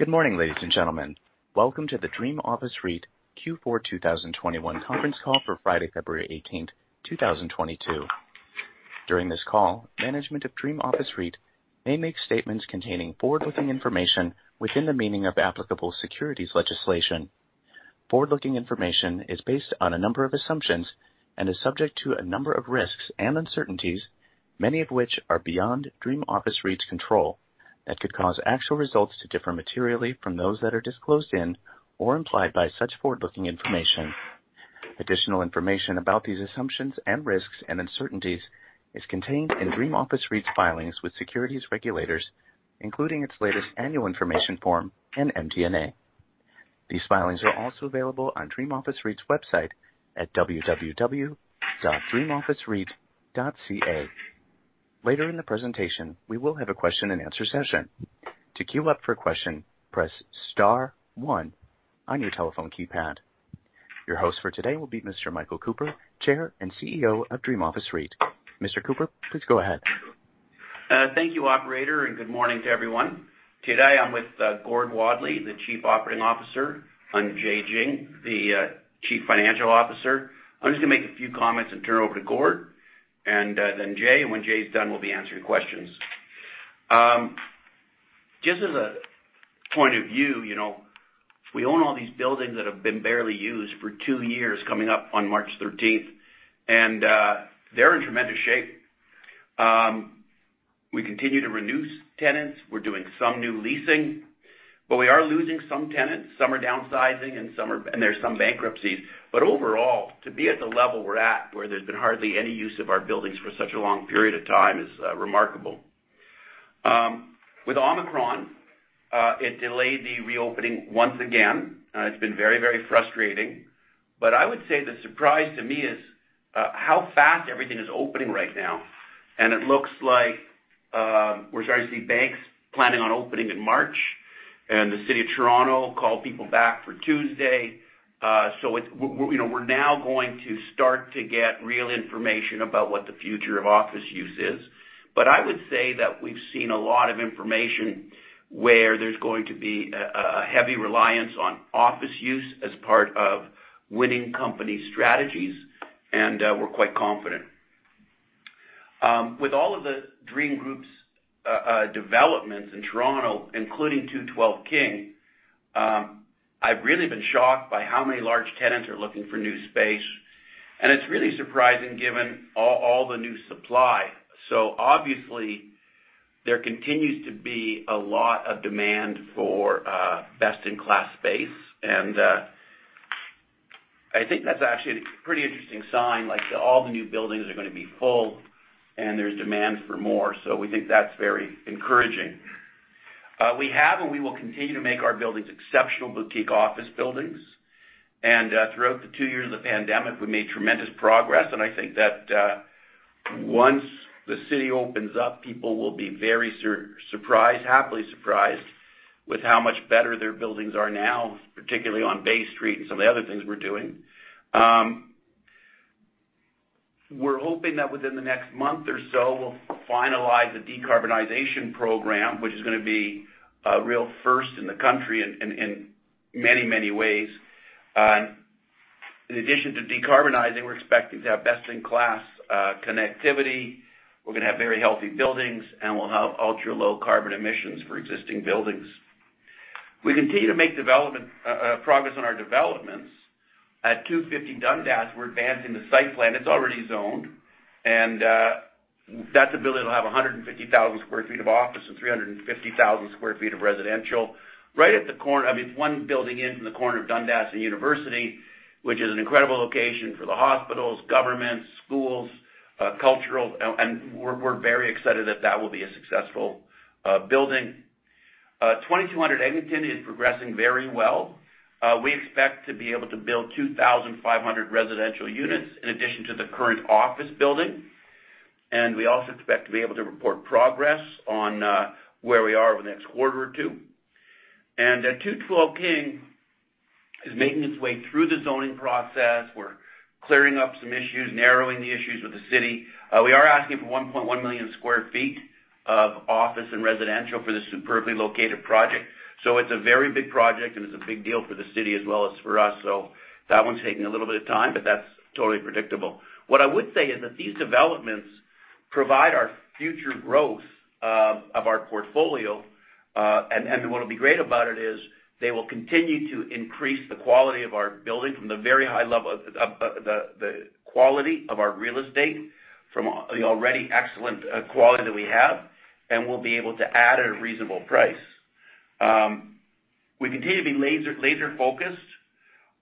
Good morning, ladies and gentlemen. Welcome to the Dream Office REIT Q4 2021 conference call for Friday, February 18th, 2022. During this call, management of Dream Office REIT may make statements containing forward-looking information within the meaning of applicable securities legislation. Forward-looking information is based on a number of assumptions and is subject to a number of risks and uncertainties, many of which are beyond Dream Office REIT's control, that could cause actual results to differ materially from those that are disclosed in or implied by such forward-looking information. Additional information about these assumptions and risks and uncertainties is contained in Dream Office REIT's filings with securities regulators, including its latest annual information form and MD&A. These filings are also available on Dream Office REIT's website at www.dreamofficereit.ca. Later in the presentation, we will have a question-and-answer session. To queue up for a question, press star one on your telephone keypad. Your host for today will be Mr. Michael Cooper, Chair and CEO of Dream Office REIT. Mr. Cooper, please go ahead. Thank you, operator, and good morning to everyone. Today, I'm with Gord Wadley, the Chief Operating Officer, and Jay Jiang, the Chief Financial Officer. I'm just gonna make a few comments and turn it over to Gord and then Jay. When Jay's done, we'll be answering questions. Just as a point of view, you know, we own all these buildings that have been barely used for two years coming up on March thirteenth, and they're in tremendous shape. We continue to renew tenants. We're doing some new leasing, but we are losing some tenants. Some are downsizing and there's some bankruptcies, but overall to be at the level we're at, where there's been hardly any use of our buildings for such a long period of time is remarkable. With Omicron, it delayed the reopening once again. It's been very, very frustrating. I would say the surprise to me is how fast everything is opening right now. It looks like we're starting to see banks planning on opening in March, and the City of Toronto called people back for Tuesday. We're, you know, we're now going to start to get real information about what the future of office use is. I would say that we've seen a lot of information where there's going to be a heavy reliance on office use as part of winning company strategies, and we're quite confident. With all of the Dream groups developments in Toronto, including 212 King, I've really been shocked by how many large tenants are looking for new space. It's really surprising given all the new supply. Obviously, there continues to be a lot of demand for best-in-class space. I think that's actually a pretty interesting sign. Like, all the new buildings are gonna be full, and there's demand for more. We think that's very encouraging. We have and we will continue to make our buildings exceptional boutique office buildings. Throughout the two years of the pandemic, we made tremendous progress. I think that once the city opens up, people will be very surprised, happily surprised, with how much better their buildings are now, particularly on Bay Street and some of the other things we're doing. We're hoping that within the next month or so, we'll finalize the decarbonization program, which is gonna be a real first in the country in many ways. In addition to decarbonizing, we're expecting to have best-in-class connectivity. We're gonna have very healthy buildings, and we'll have ultra-low carbon emissions for existing buildings. We continue to make development progress on our developments. At 250 Dundas, we're advancing the site plan. It's already zoned. That's a building that'll have 150,000 sq ft of office and 350,000 sq ft of residential right at the corner. I mean, it's one building in from the corner of Dundas and University, which is an incredible location for the hospitals, governments, schools, cultural. We're very excited that that will be a successful building. 2200 Eglinton is progressing very well. We expect to be able to build 2,500 residential units in addition to the current office building. We also expect to be able to report progress on where we are over the next quarter or two. At 212 King is making its way through the zoning process. We're clearing up some issues, narrowing the issues with the city. We are asking for 1.1 million sq ft of office and residential for this superbly located project. It's a very big project, and it's a big deal for the city as well as for us. That one's taking a little bit of time, but that's totally predictable. What I would say is that these developments provide our future growth of our portfolio. What will be great about it is they will continue to increase the quality of our building from the very high level of the quality of our real estate from the already excellent quality that we have, and we'll be able to add at a reasonable price. We continue to be laser-focused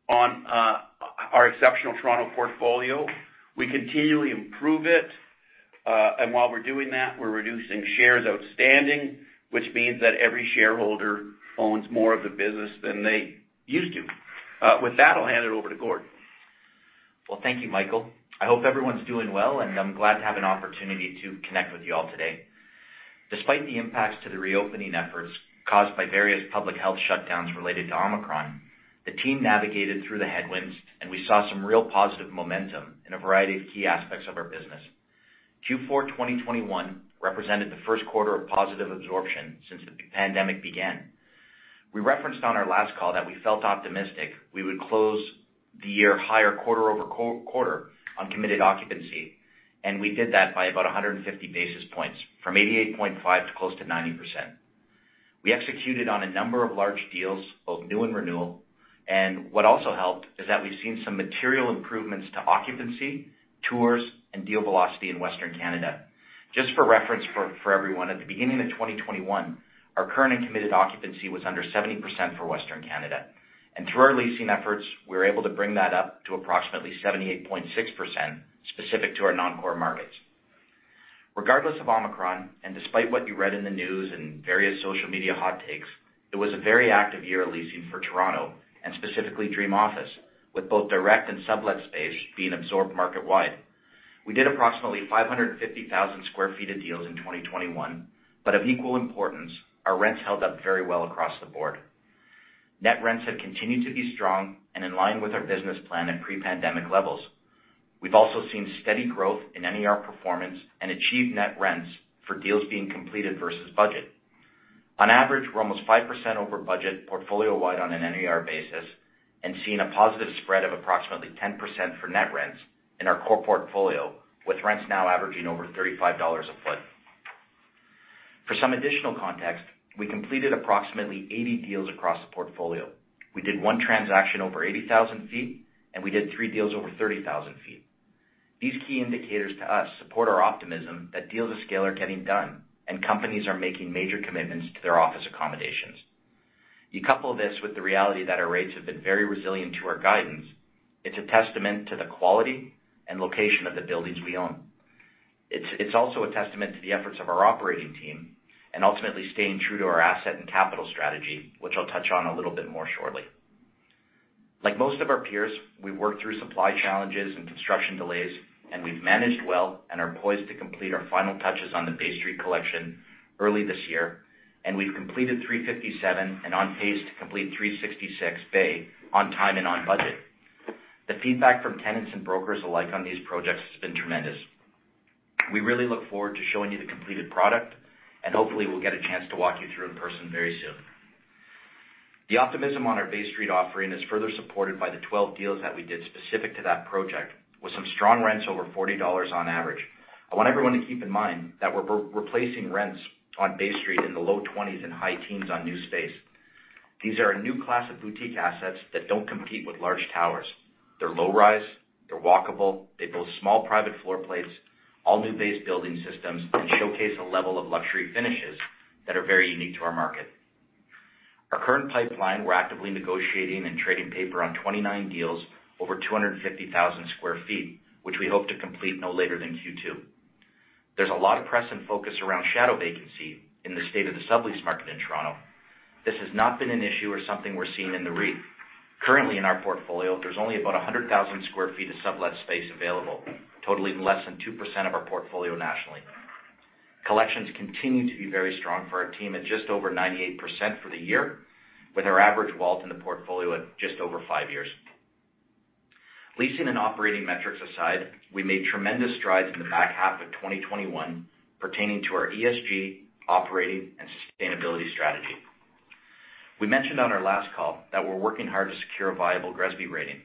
on our exceptional Toronto portfolio. We continually improve it. While we're doing that, we're reducing shares outstanding, which means that every shareholder owns more of the business than they used to. With that, I'll hand it over to Gord. Well, thank you, Michael. I hope everyone's doing well, and I'm glad to have an opportunity to connect with you all today. Despite the impacts to the reopening efforts caused by various public health shutdowns related to Omicron, the team navigated through the headwinds, and we saw some real positive momentum in a variety of key aspects of our business. Q4 2021 represented the first quarter of positive absorption since the pandemic began. We referenced on our last call that we felt optimistic we would close the year higher quarter over quarter on committed occupancy, and we did that by about 150 basis points from 88.5% to close to 90%. We executed on a number of large deals, both new and renewal. What also helped is that we've seen some material improvements to occupancy, tours, and deal velocity in Western Canada. Just for reference for everyone, at the beginning of 2021, our current and committed occupancy was under 70% for Western Canada. Through our leasing efforts, we were able to bring that up to approximately 78.6% specific to our non-core markets. Regardless of Omicron, and despite what you read in the news and various social media hot takes, it was a very active year of leasing for Toronto and specifically Dream Office, with both direct and sublet space being absorbed market-wide. We did approximately 550,000 sq ft of deals in 2021, but of equal importance, our rents held up very well across the board. Net rents have continued to be strong and in line with our business plan at pre-pandemic levels. We've also seen steady growth in NER performance and achieved net rents for deals being completed versus budget. On average, we're almost 5% over budget portfolio-wide on an NER basis and seen a positive spread of approximately 10% for net rents in our core portfolio, with rents now averaging over 35 dollars a foot. For some additional context, we completed approximately 80 deals across the portfolio. We did one transaction over 80,000 sq ft, and we did three deals over 30,000 sq ft. These key indicators to us support our optimism that deals of scale are getting done and companies are making major commitments to their office accommodations. You couple this with the reality that our rates have been very resilient to our guidance. It's a testament to the quality and location of the buildings we own. It's also a testament to the efforts of our operating team and ultimately staying true to our asset and capital strategy, which I'll touch on a little bit more shortly. Like most of our peers, we worked through supply challenges and construction delays, and we've managed well and are poised to complete our final touches on the Bay Street collection early this year. We've completed 357 and on pace to complete 366 Bay on time and on budget. The feedback from tenants and brokers alike on these projects has been tremendous. We really look forward to showing you the completed product, and hopefully we'll get a chance to walk you through in person very soon. The optimism on our Bay Street offering is further supported by the 12 deals that we did specific to that project, with some strong rents over 40 dollars on average. I want everyone to keep in mind that we're replacing rents on Bay Street in the low 20s and high teens on new space. These are a new class of boutique assets that don't compete with large towers. They're low rise, they're walkable, they build small private floor plates, all new base building systems, and showcase a level of luxury finishes that are very unique to our market. Our current pipeline, we're actively negotiating and trading paper on 29 deals over 250,000 sq ft, which we hope to complete no later than Q2. There's a lot of press and focus around shadow vacancy in the state of the sublease market in Toronto. This has not been an issue or something we're seeing in the REIT. Currently in our portfolio, there's only about 100,000 sq ft of sublet space available, totaling less than 2% of our portfolio nationally. Collections continue to be very strong for our team at just over 98% for the year, with our average WALT in the portfolio at just over five years. Leasing and operating metrics aside, we made tremendous strides in the back half of 2021 pertaining to our ESG, operating, and sustainability strategy. We mentioned on our last call that we're working hard to secure a viable GRESB rating.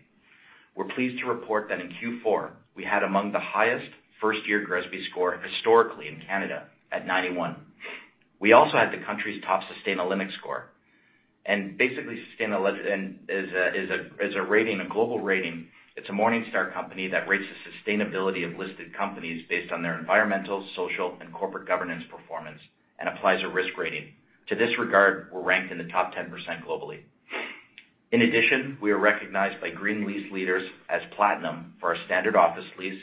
We're pleased to report that in Q4, we had among the highest first-year GRESB score historically in Canada at 91. We also had the country's top Sustainalytics score. Basically, Sustainalytics is a rating, a global rating. It's a Morningstar company that rates the sustainability of listed companies based on their environmental, social, and corporate governance performance and applies a risk rating. In this regard, we're ranked in the top 10% globally. In addition, we are recognized by Green Lease Leaders as platinum for our standard office lease.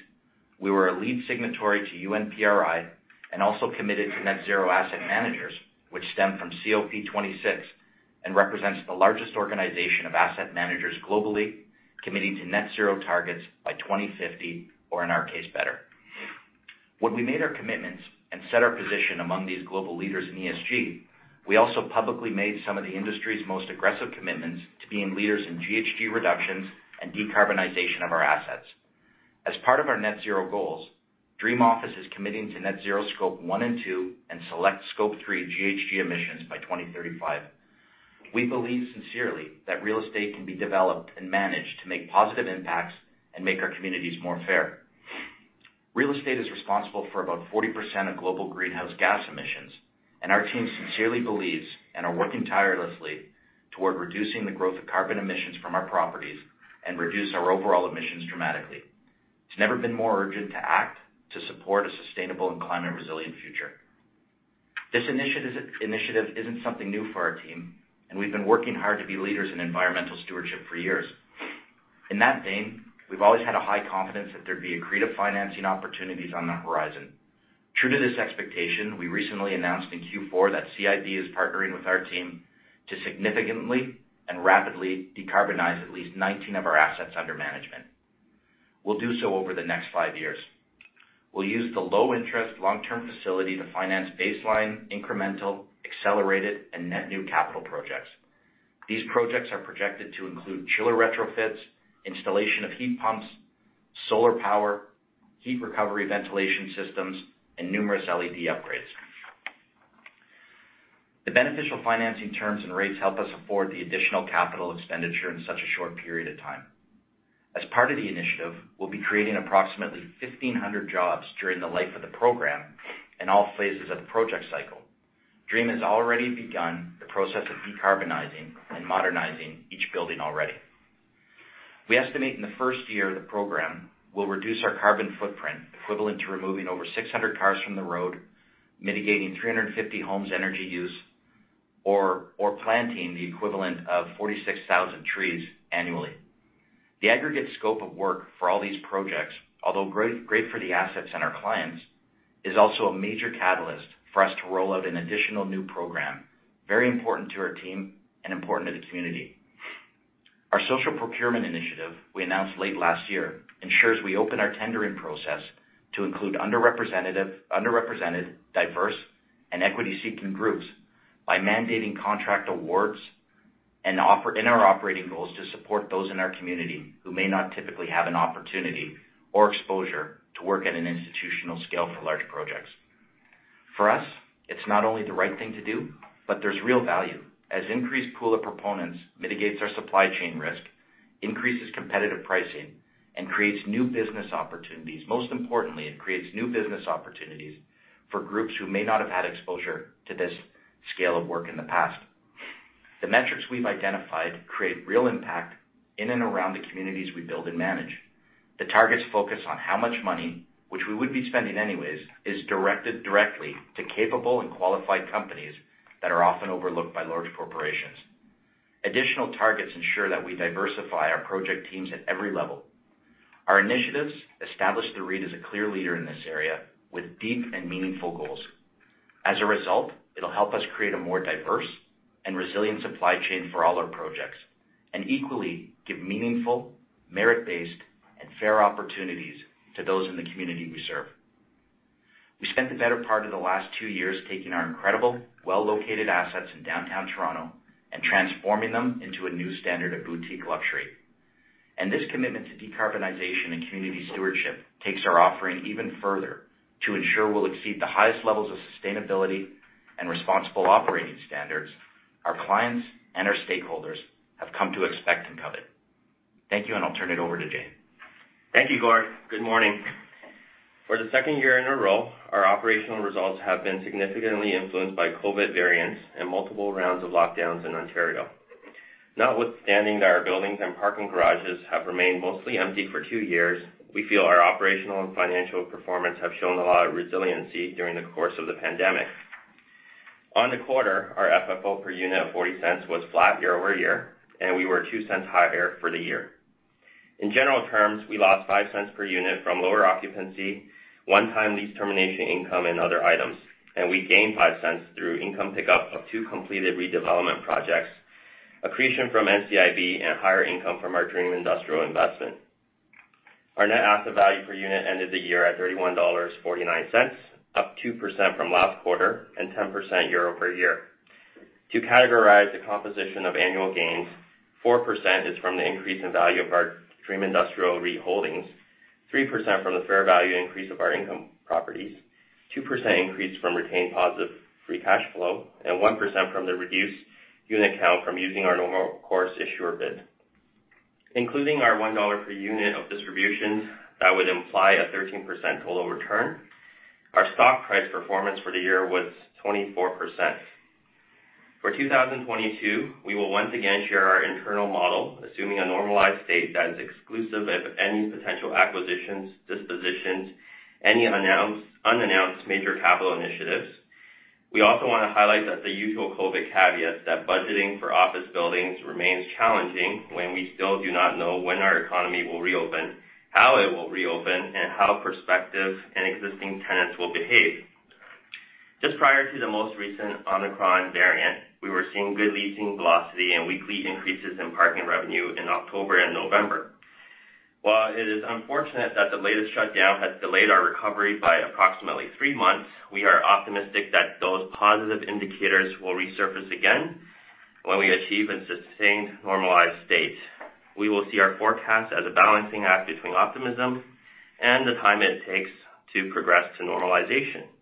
We were a lead signatory to UNPRI and also committed to Net Zero Asset Managers, which stem from COP26 and represents the largest organization of asset managers globally committing to net zero targets by 2050, or in our case, better. When we made our commitments and set our position among these global leaders in ESG, we also publicly made some of the industry's most aggressive commitments to being leaders in GHG reductions and decarbonization of our assets. As part of our net zero goals, Dream Office is committing to net zero Scope one and two and select Scope three GHG emissions by 2035. We believe sincerely that real estate can be developed and managed to make positive impacts and make our communities more fair. Real estate is responsible for about 40% of global greenhouse gas emissions, and our team sincerely believes and are working tirelessly toward reducing the growth of carbon emissions from our properties and reduce our overall emissions dramatically. It's never been more urgent to act to support a sustainable and climate-resilient future. This initiative isn't something new for our team, and we've been working hard to be leaders in environmental stewardship for years. In that vein, we've always had a high confidence that there'd be accretive financing opportunities on the horizon. True to this expectation, we recently announced in Q4 that CIB is partnering with our team to significantly and rapidly decarbonize at least 19 of our assets under management. We'll do so over the next five years. We'll use the low-interest, long-term facility to finance baseline, incremental, accelerated, and net new capital projects. These projects are projected to include chiller retrofits, installation of heat pumps, solar power, heat recovery ventilation systems, and numerous LED upgrades. The beneficial financing terms and rates help us afford the additional capital expenditure in such a short period of time. As part of the initiative, we'll be creating approximately 1,500 jobs during the life of the program in all phases of the project cycle. DREAM has already begun the process of decarbonizing and modernizing each building already. We estimate in the first year of the program, we'll reduce our carbon footprint equivalent to removing over 600 cars from the road, mitigating 350 homes energy use, or planting the equivalent of 46,000 trees annually. The aggregate scope of work for all these projects, although great for the assets and our clients, is also a major catalyst for us to roll out an additional new program, very important to our team and important to the community. Our social procurement initiative we announced late last year ensures we open our tendering process to include underrepresented, diverse, and equity-seeking groups by mandating contract awards and in our operating goals to support those in our community who may not typically have an opportunity or exposure to work at an institutional scale for large projects. For us, it's not only the right thing to do, but there's real value as increased pool of proponents mitigates our supply chain risk, increases competitive pricing, and creates new business opportunities. Most importantly, it creates new business opportunities for groups who may not have had exposure to this scale of work in the past. The metrics we've identified create real impact in and around the communities we build and manage. The targets focus on how much money, which we would be spending anyways, is directed directly to capable and qualified companies that are often overlooked by large corporations. Additional targets ensure that we diversify our project teams at every level. Our initiatives establish the REIT as a clear leader in this area with deep and meaningful goals. As a result, it'll help us create a more diverse and resilient supply chain for all our projects, and equally give meaningful, merit-based, and fair opportunities to those in the community we serve. We spent the better part of the last two years taking our incredible, well-located assets in downtown Toronto and transforming them into a new standard of boutique luxury. This commitment to decarbonization and community stewardship takes our offering even further to ensure we'll exceed the highest levels of sustainability and responsible operating standards our clients and our stakeholders have come to expect and covet. Thank you, and I'll turn it over to Jay. Thank you, Gord. Good morning. For the second year in a row, our operational results have been significantly influenced by COVID variants and multiple rounds of lockdowns in Ontario. Notwithstanding that our buildings and parking garages have remained mostly empty for two years, we feel our operational and financial performance have shown a lot of resiliency during the course of the pandemic. On the quarter, our FFO per unit of 0.40 was flat year over year, and we were 0.02 higher for the year. In general terms, we lost 0.05 per unit from lower occupancy, one-time lease termination income, and other items, and we gained 0.05 through income pickup of 2 completed redevelopment projects, accretion from NCIB, and higher income from our Dream Industrial investment. Our net asset value per unit ended the year at 31.49 dollars, up 2% from last quarter and 10% year-over-year. To categorize the composition of annual gains, 4% is from the increase in value of our Dream Industrial REIT holdings, 3% from the fair value increase of our income properties, 2% increase from retained positive free cash flow, and 1% from the reduced unit count from using our normal course issuer bid. Including our 1 dollar per unit of distribution, that would imply a 13% total return. Our stock price performance for the year was 24%. For 2022, we will once again share our internal model, assuming a normalized state that is exclusive of any potential acquisitions, dispositions, any unannounced major capital initiatives. We also wanna highlight that the usual COVID caveat that budgeting for office buildings remains challenging when we still do not know when our economy will reopen, how it will reopen, and how prospective and existing tenants will behave. Just prior to the most recent Omicron variant, we were seeing good leasing velocity and weekly increases in parking revenue in October and November. While it is unfortunate that the latest shutdown has delayed our recovery by approximately three months, we are optimistic that those positive indicators will resurface again when we achieve a sustained normalized state. We will see our forecast as a balancing act between optimism and the time it takes to progress to normalization.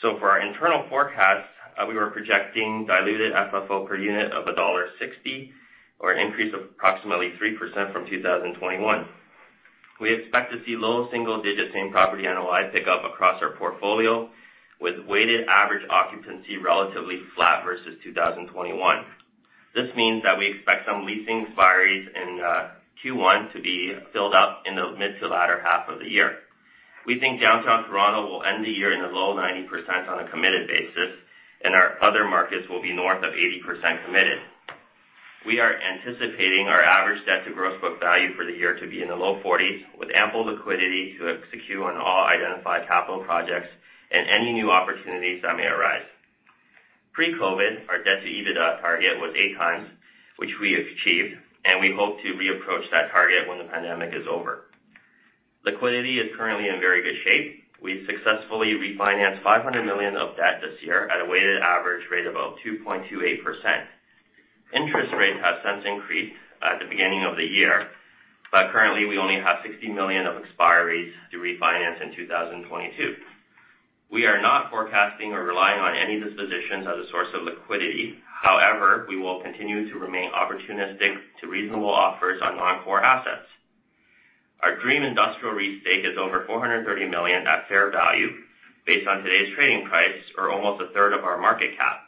For our internal forecasts, we were projecting diluted FFO per unit of dollar 1.60, or an increase of approximately 3% from 2021. We expect to see low single-digit same-property NOI pick up across our portfolio with weighted average occupancy relatively flat versus 2021. This means that we expect some leasing expiries in Q1 to be filled up in the mid- to latter half of the year. We think Downtown Toronto will end the year in the low 90% on a committed basis, and our other markets will be north of 80% committed. We are anticipating our average debt to gross book value for the year to be in the low 40s, with ample liquidity to execute on all identified capital projects and any new opportunities that may arise. Pre-COVID, our debt to EBITDA target was 8x, which we achieved, and we hope to reapproach that target when the pandemic is over. Liquidity is currently in very good shape. We've successfully refinanced 500 million of debt this year at a weighted average rate of about 2.28%. Interest rates have since increased at the beginning of the year, but currently we only have 60 million of expiries to refinance in 2022. We are not forecasting or relying on any dispositions as a source of liquidity. However, we will continue to remain opportunistic to reasonable offers on non-core assets. Our Dream Industrial REIT stake is over 430 million at fair value based on today's trading price or almost a third of our market cap.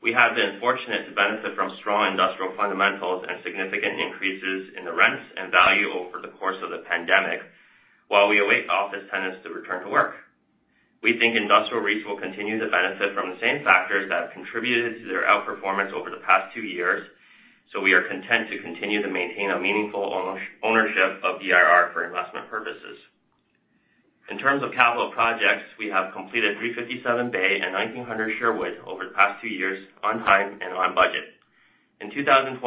We have been fortunate to benefit from strong industrial fundamentals and significant increases in the rents and value over the course of the pandemic while we await office tenants to return to work. We think industrial REITs will continue to benefit from the same factors that have contributed to their outperformance over the past two years, so we are content to continue to maintain a meaningful ownership of DIR for investment purposes. In terms of capital projects, we have completed 357 Bay and 1900 Sherwood over the past two years on time and on budget. In 2021,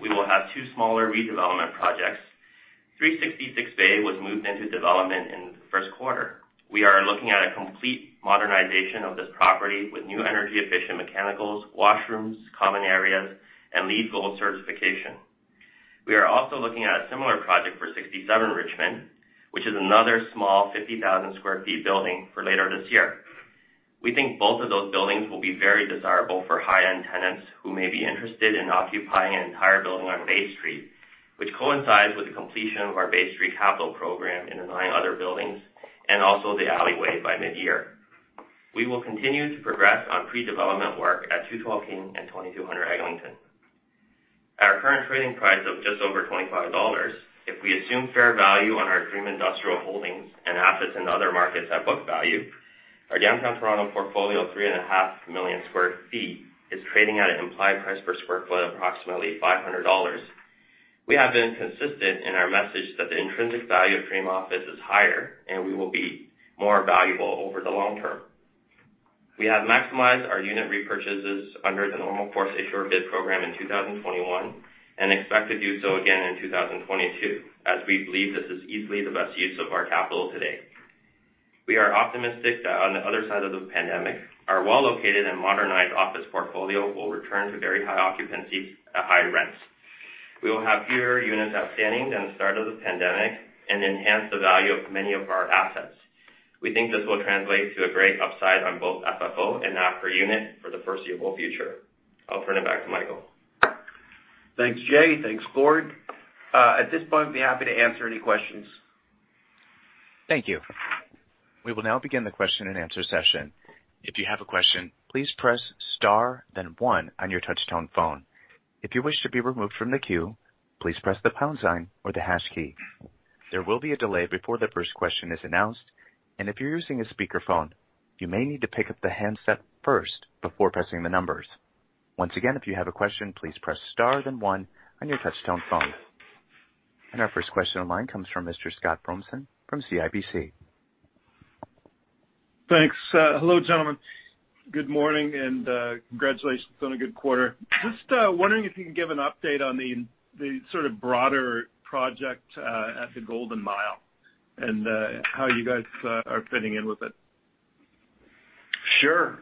we will have two smaller redevelopment projects. 366 Bay was moved into development in the first quarter. We are looking at a complete modernization of this property with new energy-efficient mechanicals, washrooms, common areas, and LEED Gold certification. We are also looking at a similar project for 67 Richmond, which is another small 50,000 sq ft building for later this year. We think both of those buildings will be very desirable for high-end tenants who may be interested in occupying an entire building on Bay Street, which coincides with the completion of our Bay Street capital program in the nine other buildings and also the alleyway by mid-year. We will continue to progress on pre-development work at 212 King and 2200 Eglinton. At our current trading price of just over 25 dollars, if we assume fair value on our Dream Industrial holdings and assets in other markets at book value, our downtown Toronto portfolio of 3.5 million sq ft is trading at an implied price per sq ft of approximately 500 dollars. We have been consistent in our message that the intrinsic value of Dream Office is higher, and we will be more valuable over the long term. We have maximized our unit repurchases under the normal course issuer bid program in 2021 and expect to do so again in 2022, as we believe this is easily the best use of our capital today. We are optimistic that on the other side of the pandemic, our well-located and modernized office portfolio will return to very high occupancies at high rents. We will have fewer units outstanding than the start of the pandemic and enhance the value of many of our assets. We think this will translate to a great upside on both FFO and NAV per unit for the foreseeable future. I'll turn it back to Michael. Thanks, Jay. Thanks, Gord. At this point, we'd be happy to answer any questions. Thank you. We will now begin the question-and-answer session. If you have a question, please press star, then one on your touchtone phone. If you wish to be removed from the queue, please press the pound sign or the hash key. There will be a delay before the first question is announced, and if you're using a speakerphone, you may need to pick up the handset first before pressing the numbers. Once again, if you have a question, please press star, then one on your touchtone phone. Our first question online comes from Mr. Scott Fromson from CIBC. Thanks. Hello, gentlemen. Good morning, and congratulations on a good quarter. Just wondering if you can give an update on the sort of broader project at the Golden Mile and how you guys are fitting in with it. Sure.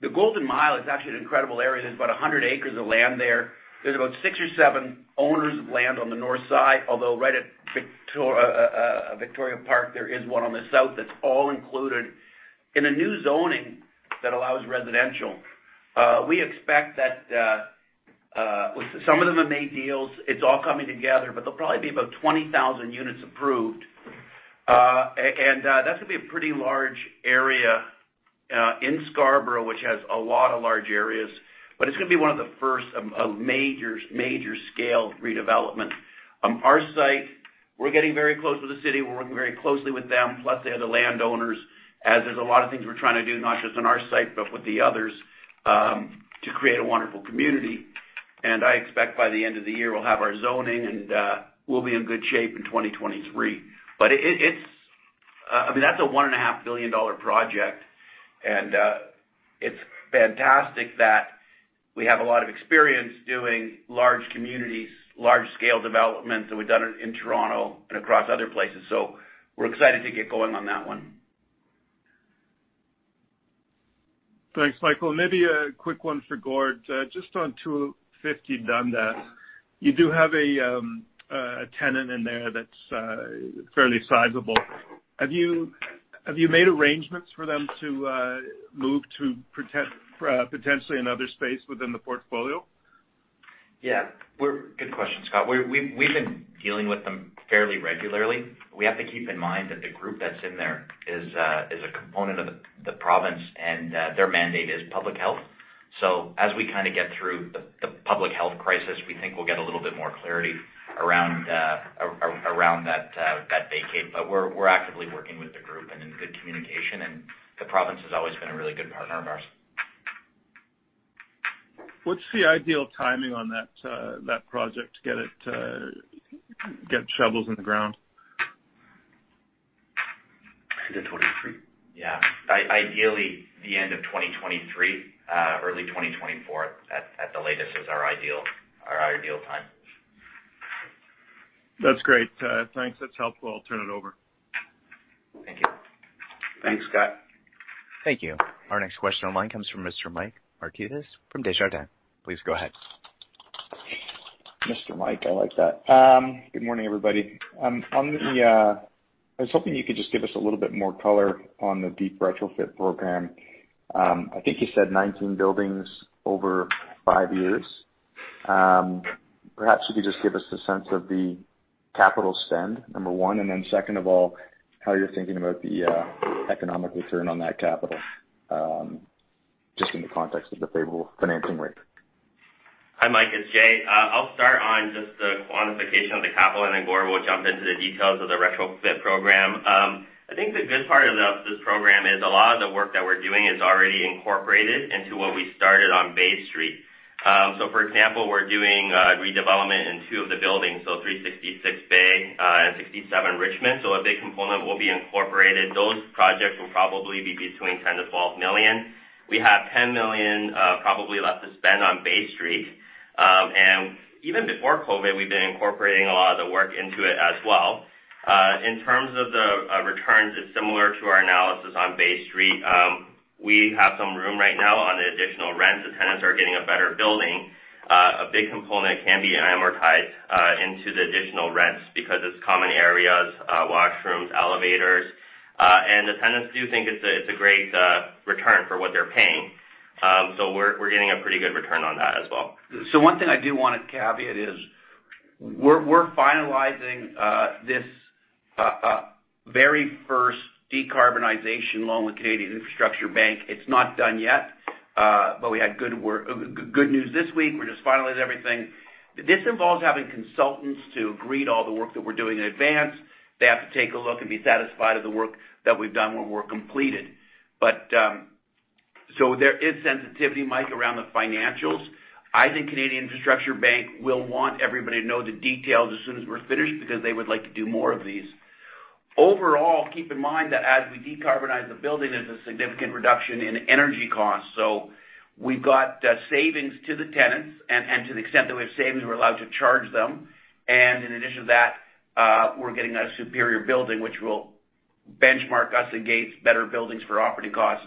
The Golden Mile is actually an incredible area. There's about 100 acres of land there. There's about six or seven owners of land on the north side, although right at Victoria Park, there is one on the south that's all included in a new zoning that allows residential. We expect that some of them have made deals. It's all coming together, but there'll probably be about 20,000 units approved. And that's gonna be a pretty large area in Scarborough, which has a lot of large areas. It's gonna be one of the first of major scale redevelopment. Our site, we're getting very close with the city. We're working very closely with them, plus the other landowners, as there's a lot of things we're trying to do, not just on our site, but with the others, to create a wonderful community. I expect by the end of the year, we'll have our zoning, and we'll be in good shape in 2023. I mean, that's a 1.5 billion dollar project, and it's fantastic that we have a lot of experience doing large communities, large scale developments, and we've done it in Toronto and across other places. We're excited to get going on that one. Thanks, Michael. Maybe a quick one for Gord. Just on 250 Dundas, you do have a tenant in there that's fairly sizable. Have you made arrangements for them to move to potentially another space within the portfolio? Yeah. Good question, Scott. We've been dealing with them fairly regularly. We have to keep in mind that the group that's in there is a component of the province, and their mandate is public health. As we kind of get through the public health crisis, we think we'll get a little bit more clarity around that vacate. We're actively working with the group and in good communication, and the province has always been a really good partner of ours. What's the ideal timing on that project to get shovels in the ground? Yeah. Ideally, the end of 2023, early 2024 at the latest is our ideal time. That's great. Thanks. That's helpful. I'll turn it over. Thank you. Thanks, Scott. Thank you. Our next question online comes from Mr. Mike Markidis from Desjardins. Please go ahead. Mr. Mike, I like that. Good morning, everybody. I was hoping you could just give us a little bit more color on the deep retrofit program. I think you said 19 buildings over five years. Perhaps you could just give us a sense of the capital spend, number one. Second of all, how you're thinking about the economic return on that capital, just in the context of the favorable financing rate. Hi, Mike, it's Jay. I'll start on just the quantification of the capital, and then Gord will jump into the details of the retrofit program. I think the good part about this program is a lot of the work that we're doing is already incorporated into what we started on Bay Street. For example, we're doing redevelopment in two of the buildings, 366 Bay and 67 Richmond. A big component will be incorporated. Those projects will probably be between 10 million-12 million. We have 10 million probably left to spend on Bay Street. Even before COVID, we've been incorporating a lot of the work into it as well. In terms of the returns, it's similar to our analysis on Bay Street. We have some room right now on the additional rents. The tenants are getting a better building. A big component can be amortized into the additional rents because it's common areas, washrooms, elevators. The tenants do think it's a great return for what they're paying. We're getting a pretty good return on that as well. One thing I do wanna caveat is we're finalizing this very first decarbonization loan with Canada Infrastructure Bank. It's not done yet, but we had good news this week. We're just finalizing everything. This involves having consultants to agree to all the work that we're doing in advance. They have to take a look and be satisfied of the work that we've done when we're completed. But there is sensitivity, Mike, around the financials. I think Canada Infrastructure Bank will want everybody to know the details as soon as we're finished because they would like to do more of these. Overall, keep in mind that as we decarbonize the building, there's a significant reduction in energy costs. We've got savings to the tenants, and to the extent that we have savings, we're allowed to charge them. In addition to that, we're getting a superior building, which will benchmark us against better buildings for operating costs.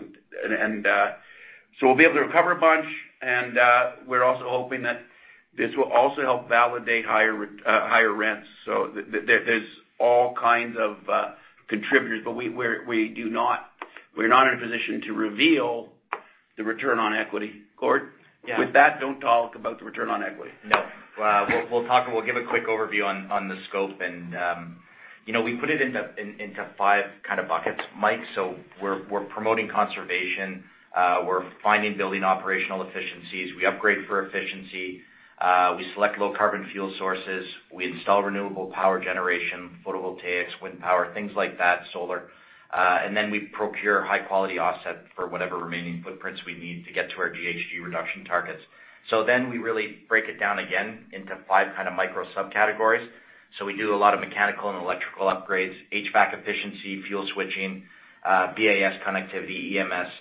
We'll be able to recover a bunch, and we're also hoping that this will also help validate higher rents. There's all kinds of contributors, but we're not in a position to reveal the return on equity. Gord? Yeah. With that, don't talk about the return on equity. We'll give a quick overview on the scope and, you know, we put it into five kind of buckets, Mike. We're promoting conservation. We're finding building operational efficiencies. We upgrade for efficiency. We select low carbon fuel sources. We install renewable power generation, photovoltaics, wind power, things like that, solar. We procure high quality offset for whatever remaining footprints we need to get to our GHG reduction targets. We really break it down again into five kind of micro subcategories. We do a lot of mechanical and electrical upgrades, HVAC efficiency, fuel switching, BAS connectivity, EMS.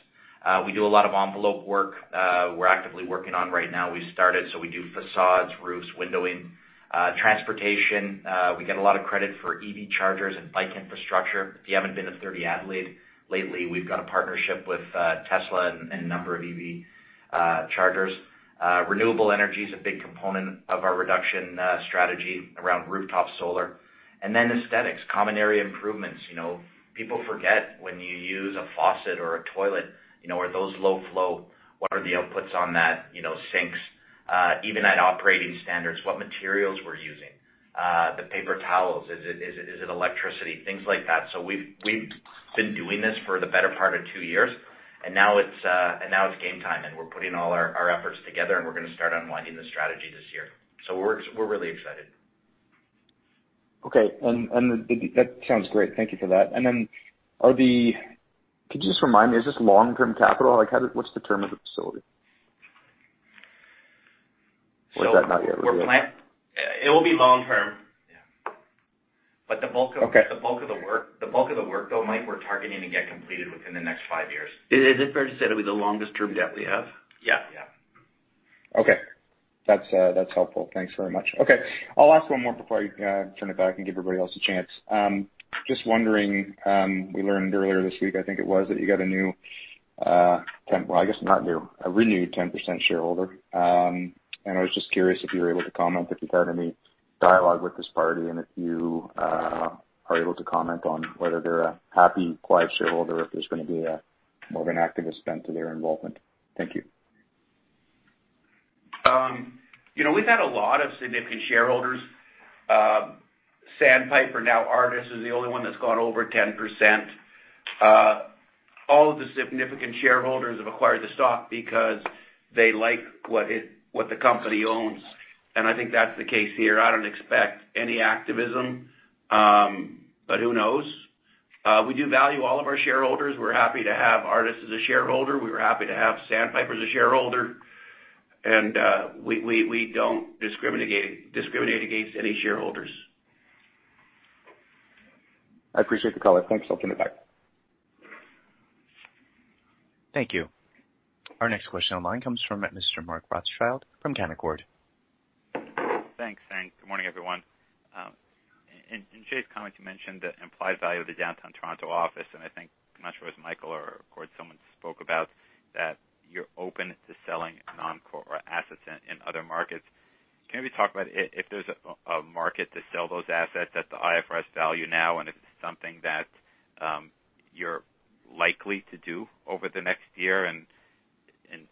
We do a lot of envelope work we're actively working on right now we started we do facades, roofs, windowing. Transportation, we get a lot of credit for EV chargers and bike infrastructure. If you haven't been to 30 Adelaide lately, we've got a partnership with Tesla and a number of EV chargers. Renewable energy is a big component of our reduction strategy around rooftop solar. Aesthetics, common area improvements. You know, people forget when you use a faucet or a toilet, you know, are those low flow? What are the outputs on that? You know, sinks, even at operating standards, what materials we're using. The paper towels, is it electricity? Things like that. We've been doing this for the better part of two years, and now it's game time, and we're putting all our efforts together, and we're gonna start unwinding the strategy this year. We're really excited. Okay. That sounds great. Thank you for that. Could you just remind me, is this long-term capital? Like, what's the term of the facility? Or is that not yet revealed? It will be long term. Yeah. The bulk of Okay. The bulk of the work though, Mike, we're targeting to get completed within the next five years. Is it fair to say it'll be the longest term debt we have? Yeah. Yeah. Okay. That's helpful. Thanks very much. Okay. I'll ask one more before I turn it back and give everybody else a chance. Just wondering, we learned earlier this week, I think it was, that you got a new—well, I guess not new—a renewed 10% shareholder. And I was just curious if you were able to comment if you've had any dialogue with this party, and if you are able to comment on whether they're a happy, quiet shareholder, or if there's gonna be more of an activist bent to their involvement. Thank you. You know, we've had a lot of significant shareholders. Sandpiper, now Artis, is the only one that's gone over 10%. All of the significant shareholders have acquired the stock because they like what it, what the company owns, and I think that's the case here. I don't expect any activism, but who knows? We do value all of our shareholders. We're happy to have Artis as a shareholder. We were happy to have Sandpiper as a shareholder. We don't discriminate against any shareholders. I appreciate the call. Thanks. I'll turn it back. Thank you. Our next question online comes from Mr. Mark Rothschild from Canaccord. Thanks. Good morning, everyone. In Jay's comments, you mentioned the implied value of the downtown Toronto office, and I think, I'm not sure it was Michael or Gord, someone spoke about that you're open to selling non-core assets in other markets. Can we talk about if there's a market to sell those assets at the IFRS value now, and if it's something that you're likely to do over the next year and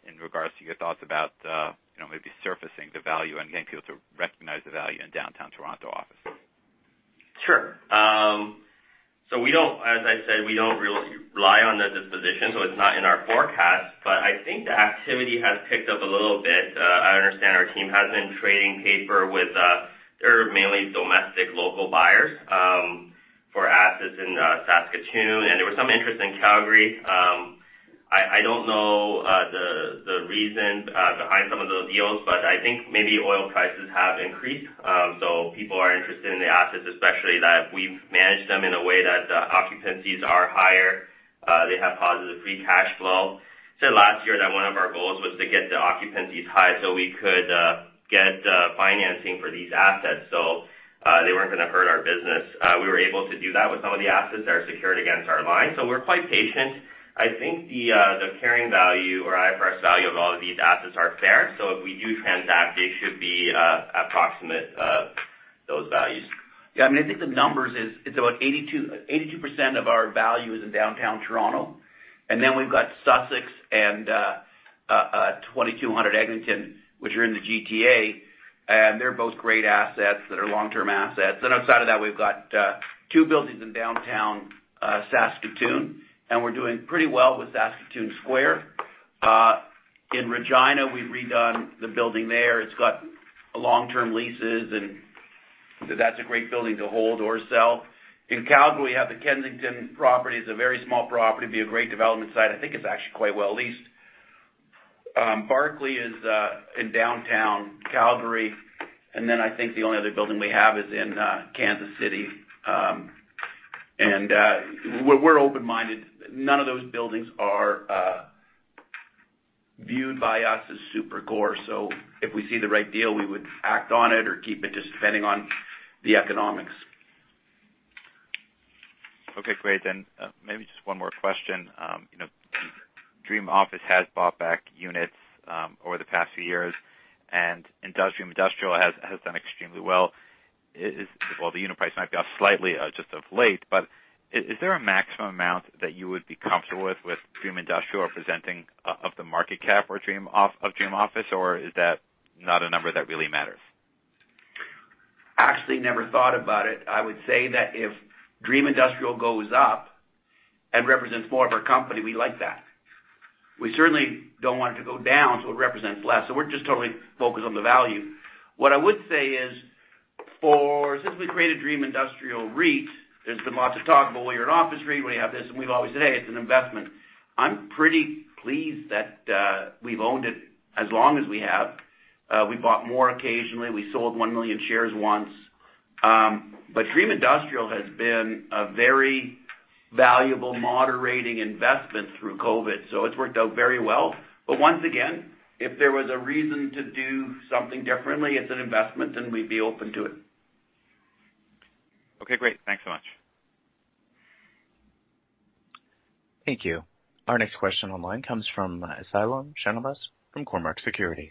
in regards to your thoughts about, you know, maybe surfacing the value and getting people to recognize the value in downtown Toronto office? Sure. As I said, we don't rely on the disposition, so it's not in our forecast. I think the activity has picked up a little bit. I understand our team has been trading paper with, they're mainly domestic local buyers, for assets in Saskatoon, and there was some interest in Calgary. I don't know the reason behind some of those deals, but I think maybe oil prices have increased. People are interested in the assets, especially that we've managed them in a way that, occupancies are higher. They have positive free cash flow. We said last year that one of our goals was to get the occupancies high so we could get financing for these assets. They weren't gonna hurt our business. We were able to do that with some of the assets that are secured against our line. We're quite patient. I think the carrying value or IFRS value of all of these assets are fair. If we do transact, they should be approximate of those values. Yeah. I mean, I think the numbers is, it's about 82% of our value is in downtown Toronto. We've got Sussex and 2200 Eglinton, which are in the GTA, and they're both great assets that are long-term assets. Outside of that, we've got two buildings in downtown Saskatoon, and we're doing pretty well with Saskatoon Square. In Regina, we've redone the building there. It's got long-term leases, and that's a great building to hold or sell. In Calgary, we have the Kensington property. It's a very small property, it'd be a great development site. I think it's actually quite well-leased. Barclay is in downtown Calgary, and then I think the only other building we have is in Kansas City. We're open-minded. None of those buildings are viewed by us as super core. If we see the right deal, we would act on it or keep it, just depending on the economics. Okay, great. Maybe just one more question. You know, Dream Office has bought back units over the past few years, and Dream Industrial has done extremely well. Well, the unit price might be off slightly, just of late, but is there a maximum amount that you would be comfortable with Dream Industrial representing of the market cap or of Dream Office, or is that not a number that really matters? Actually never thought about it. I would say that if Dream Industrial goes up and represents more of our company, we like that. We certainly don't want it to go down, so it represents less. We're just totally focused on the value. What I would say is since we created Dream Industrial REIT, there's been lots of talk about, well, you're an office REIT, we have this, and we've always said, "Hey, it's an investment." I'm pretty pleased that we've owned it as long as we have. We bought more occasionally. We sold one million shares once. Dream Industrial has been a very valuable moderating investment through COVID. It's worked out very well. Once again, if there was a reason to do something differently, it's an investment, then we'd be open to it. Okay, great. Thanks so much. Thank you. Our next question online comes from Sairam Srinivas from Cormark Securities.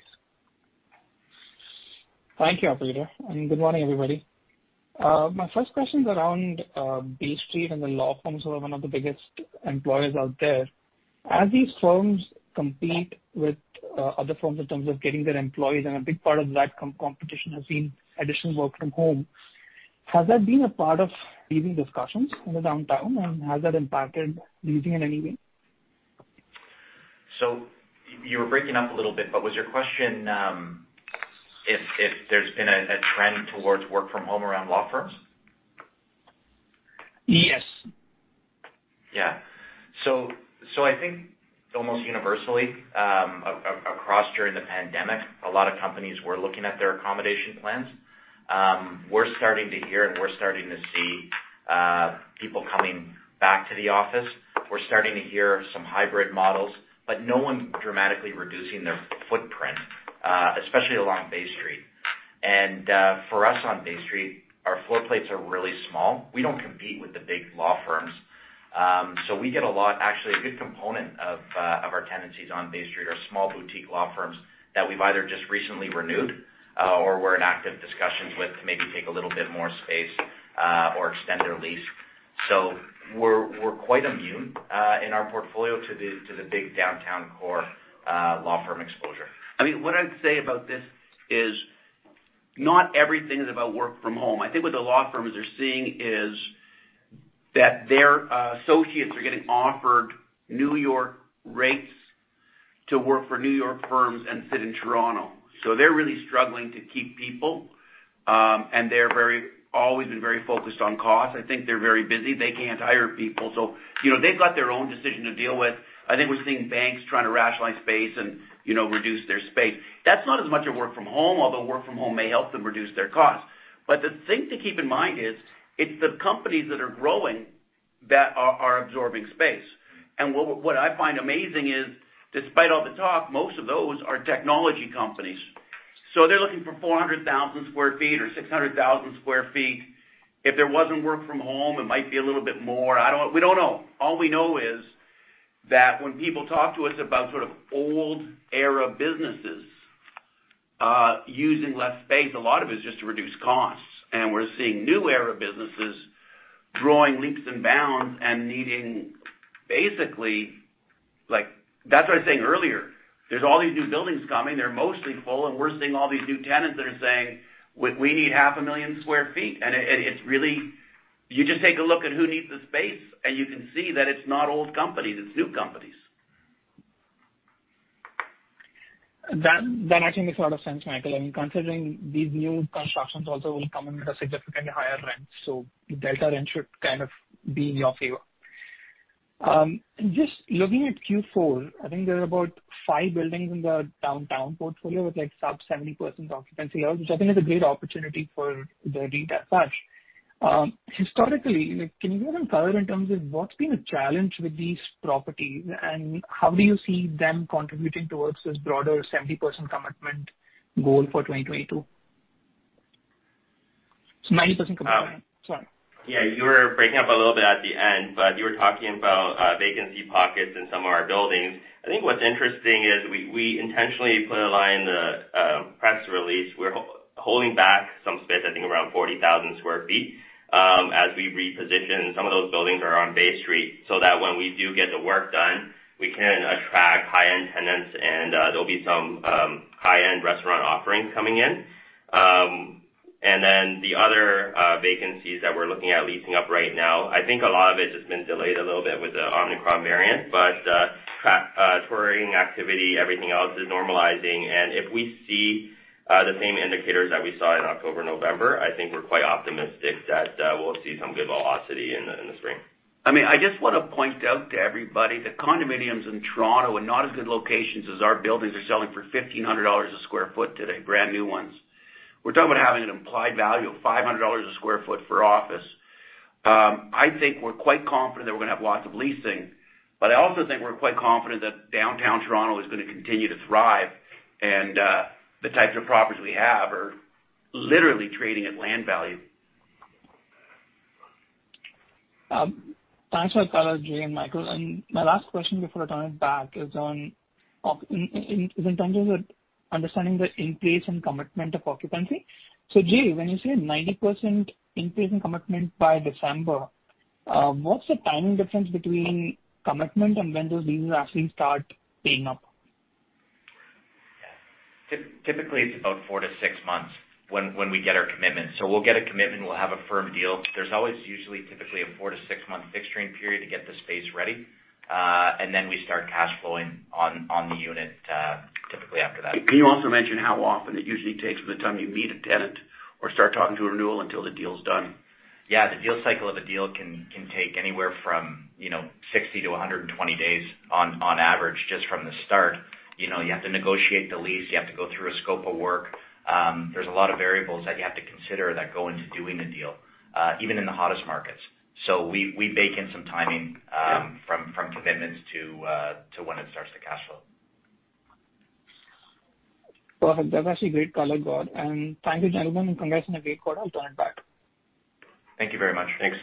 Thank you, operator, and good morning, everybody. My first question is around Bay Street and the law firms who are one of the biggest employers out there. As these firms compete with other firms in terms of getting their employees, and a big part of that competition has been additional work from home, has that been a part of leasing discussions in the downtown, and has that impacted leasing in any way? You were breaking up a little bit, but was your question if there's been a trend towards work from home around law firms? Yes. Yeah. I think almost universally across during the pandemic, a lot of companies were looking at their accommodation plans. We're starting to hear and we're starting to see people coming back to the office. We're starting to hear some hybrid models, but no one's dramatically reducing their footprint, especially along Bay Street. For us on Bay Street, our floor plates are really small. We don't compete with the big law firms. Actually, a good component of our tenancies on Bay Street are small boutique law firms that we've either just recently renewed or we're in active discussions with to maybe take a little bit more space or extend their lease. We're quite immune in our portfolio to the big downtown core law firm exposure. I mean, what I'd say about this is not everything is about work from home. I think what the law firms are seeing is that their associates are getting offered New York rates to work for New York firms and sit in Toronto. They're really struggling to keep people, and they're always been very focused on cost. I think they're very busy. They can't hire people. You know, they've got their own decision to deal with. I think we're seeing banks trying to rationalize space and, you know, reduce their space. That's not as much a work from home, although work from home may help them reduce their costs. The thing to keep in mind is if the companies that are growing are absorbing space. What I find amazing is, despite all the talk, most of those are technology companies. They're looking for 400,000 sq ft or 600,000 sq ft. If there wasn't work from home, it might be a little bit more. I don't. We don't know. All we know is that when people talk to us about sort of old era businesses, using less space, a lot of it is just to reduce costs. We're seeing new era businesses growing leaps and bounds and needing basically like. That's what I was saying earlier. There's all these new buildings coming. They're mostly full, and we're seeing all these new tenants that are saying, "We need 500,000 sq ft." It's really. You just take a look at who needs the space, and you can see that it's not old companies, it's new companies. That actually makes a lot of sense, Michael. I mean, considering these new constructions also will come in with a significantly higher rent. The delta rent should kind of be in your favor. Just looking at Q4, I think there are about five buildings in the downtown portfolio with like sub-70% occupancy, which I think is a great opportunity for the redev path. Historically, can you give some color in terms of what's been a challenge with these properties, and how do you see them contributing towards this broader 70% commitment goal for 2022? It's 90% commitment. Sorry. Yeah. You were breaking up a little bit at the end, but you were talking about vacancy pockets in some of our buildings. I think what's interesting is we intentionally put a line in the press release. We're holding back some space, I think around 40,000 sq ft as we reposition. Some of those buildings are on Bay Street. So that when we do get the work done, we can attract high-end tenants, and there'll be some high-end restaurant offerings coming in. Then the other vacancies that we're looking at leasing up right now, I think a lot of it has been delayed a little bit with the Omicron variant. Touring activity, everything else is normalizing. If we see the same indicators that we saw in October, November, I think we're quite optimistic that we'll see some good velocity in the spring. I mean, I just wanna point out to everybody the condominiums in Toronto, and not as good locations as our buildings are selling for 1,500 dollars a sq ft today, brand-new ones. We're talking about having an implied value of 500 dollars a sq ft for office. I think we're quite confident that we're gonna have lots of leasing, but I also think we're quite confident that downtown Toronto is gonna continue to thrive. The types of properties we have are literally trading at land value. Thanks for that color, Jay and Michael. My last question before I turn it back is on occupancy, in terms of understanding the increase in commitment of occupancy. Jay, when you say 90% increase in commitment by December, what's the timing difference between commitment and when those leases actually start paying up? Typically, it's about four to six months when we get our commitment. We'll get a commitment, we'll have a firm deal. There's always usually typically a four to six month fixturing period to get the space ready. We start cash flowing on the unit, typically after that. Can you also mention how often it usually takes from the time you meet a tenant or start talking to a renewal until the deal's done? Yeah. The deal cycle of a deal can take anywhere from, you know, 60 to 120 days on average, just from the start. You know, you have to negotiate the lease. You have to go through a scope of work. There's a lot of variables that you have to consider that go into doing the deal, even in the hottest markets. We bake in some timing. Yeah. from commitments to when it starts to cash flow. Perfect. That's actually great color, Gord. Thank you, gentlemen, and congrats on a great quarter. I'll turn it back. Thank you very much. Thanks.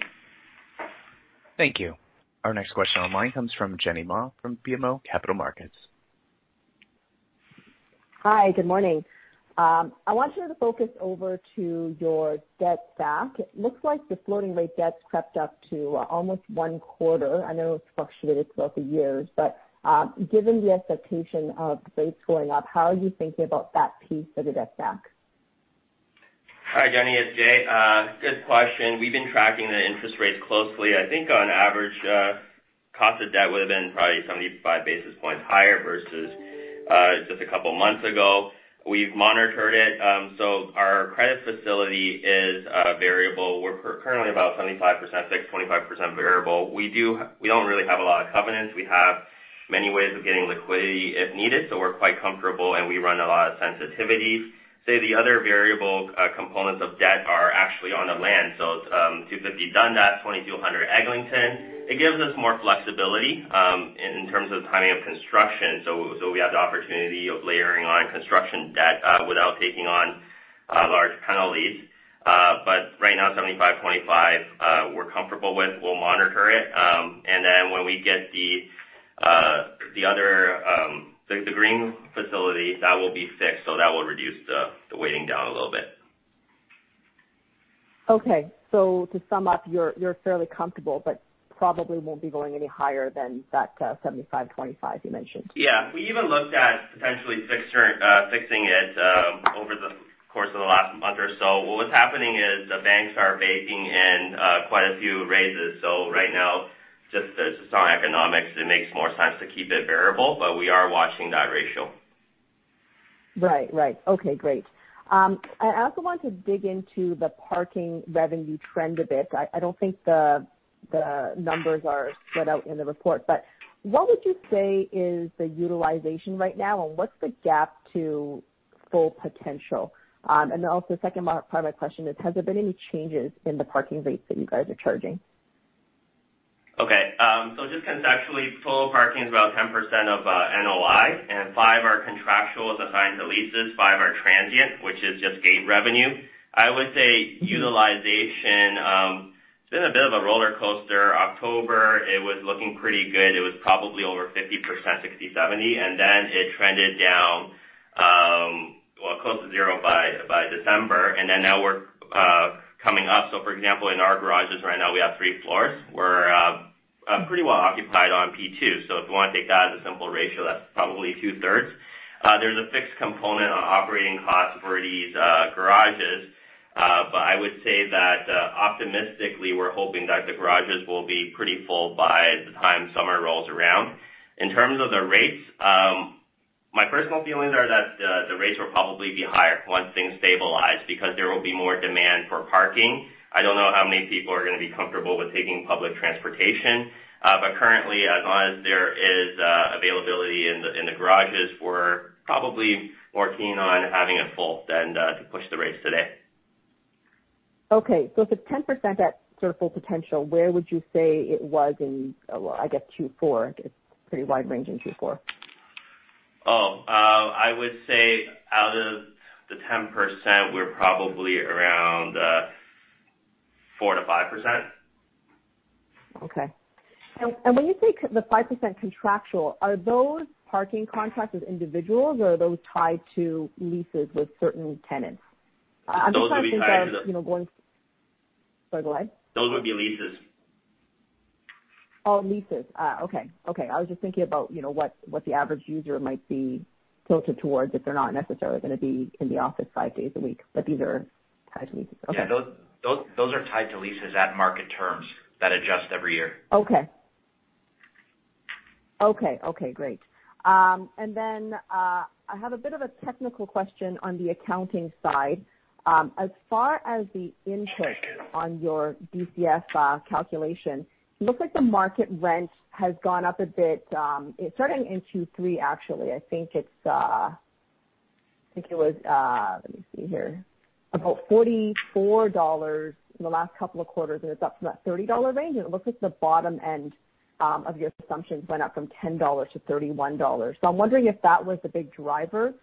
Thank you. Our next question online comes from Jenny Ma from BMO Capital Markets. Hi, good morning. I want you to focus over to your debt stack. It looks like the floating rate debt's crept up to almost one quarter. I know it's fluctuated throughout the years. Given the expectation of rates going up, how are you thinking about that piece of the debt stack? Hi, Jenny. It's Jay. Good question. We've been tracking the interest rates closely. I think on average, cost of debt would have been probably 75 basis points higher versus just a couple of months ago. We've monitored it. Our credit facility is variable. We're currently about 75% fixed, 25% variable. We don't really have a lot of covenants. We have many ways of getting liquidity if needed, so we're quite comfortable, and we run a lot of sensitivities. Say the other variable components of debt are actually on the land. It's 250 Dundas, 2200 Eglinton. It gives us more flexibility in terms of timing of construction. We have the opportunity of layering on construction debt without taking on large tenant leases. Right now, 75, 25, we're comfortable with. We'll monitor it. When we get the other, the green facility, that will be fixed, so that will reduce the weighting down a little bit. Okay. To sum up, you're fairly comfortable, but probably won't be going any higher than that 75-25 you mentioned. Yeah. We even looked at potentially fixing it over the course of the last month or so. What was happening is the banks are baking in quite a few raises. Right now, just on economics, it makes more sense to keep it variable, but we are watching that ratio. Right. Okay, great. I also want to dig into the parking revenue trend a bit. I don't think the numbers are spread out in the report. What would you say is the utilization right now, and what's the gap to full potential? And then also second part of my question is has there been any changes in the parking rates that you guys are charging? Okay. Just conceptually, full parking is about 10% of NOI and 5% are contractuals assigned to leases. 5% are transient, which is just gate revenue. I would say utilization, it's been a bit of a roller coaster. October, it was looking pretty good. It was probably over 50%, 60%, 70%. Then it trended down, well, close to zero by December. Then now we're coming up. For example, in our garages right now, we have three floors. We're pretty well occupied on P2. If you wanna take that as a simple ratio, that's probably two-thirds. There's a fixed component on operating costs for these garages. But I would say that, optimistically, we're hoping that the garages will be pretty full by the time summer rolls around. In terms of the rates, my personal feelings are that the rates will probably be higher once things stabilize because there will be more demand for parking. I don't know how many people are gonna be comfortable with taking public transportation. Currently, as long as there is availability in the garages, we're probably more keen on having it full than to push the rates today. Okay. If it's 10% at sort of full potential, where would you say it was in, well, I guess Q4? It's pretty wide range in Q4. I would say out of the 10%, we're probably around 4%-5%. When you say the 5% contractual, are those parking contracts with individuals, or are those tied to leases with certain tenants? Those would be tied to the. You know, sorry, go ahead. Those would be leases. I was just thinking about, you know, what the average user might be tilted towards if they're not necessarily gonna be in the office five days a week, but these are tied to leases. Yeah. Those are tied to leases at market terms that adjust every year. Okay, great. I have a bit of a technical question on the accounting side. As far as the input on your DCF calculation, it looks like the market rent has gone up a bit, starting in Q3, actually. I think it was about 44 dollars in the last couple of quarters, and it's up from that 30 dollar range. It looks like the bottom end of your assumptions went up from 10 dollars to 31 dollars. I'm wondering if that was the big driver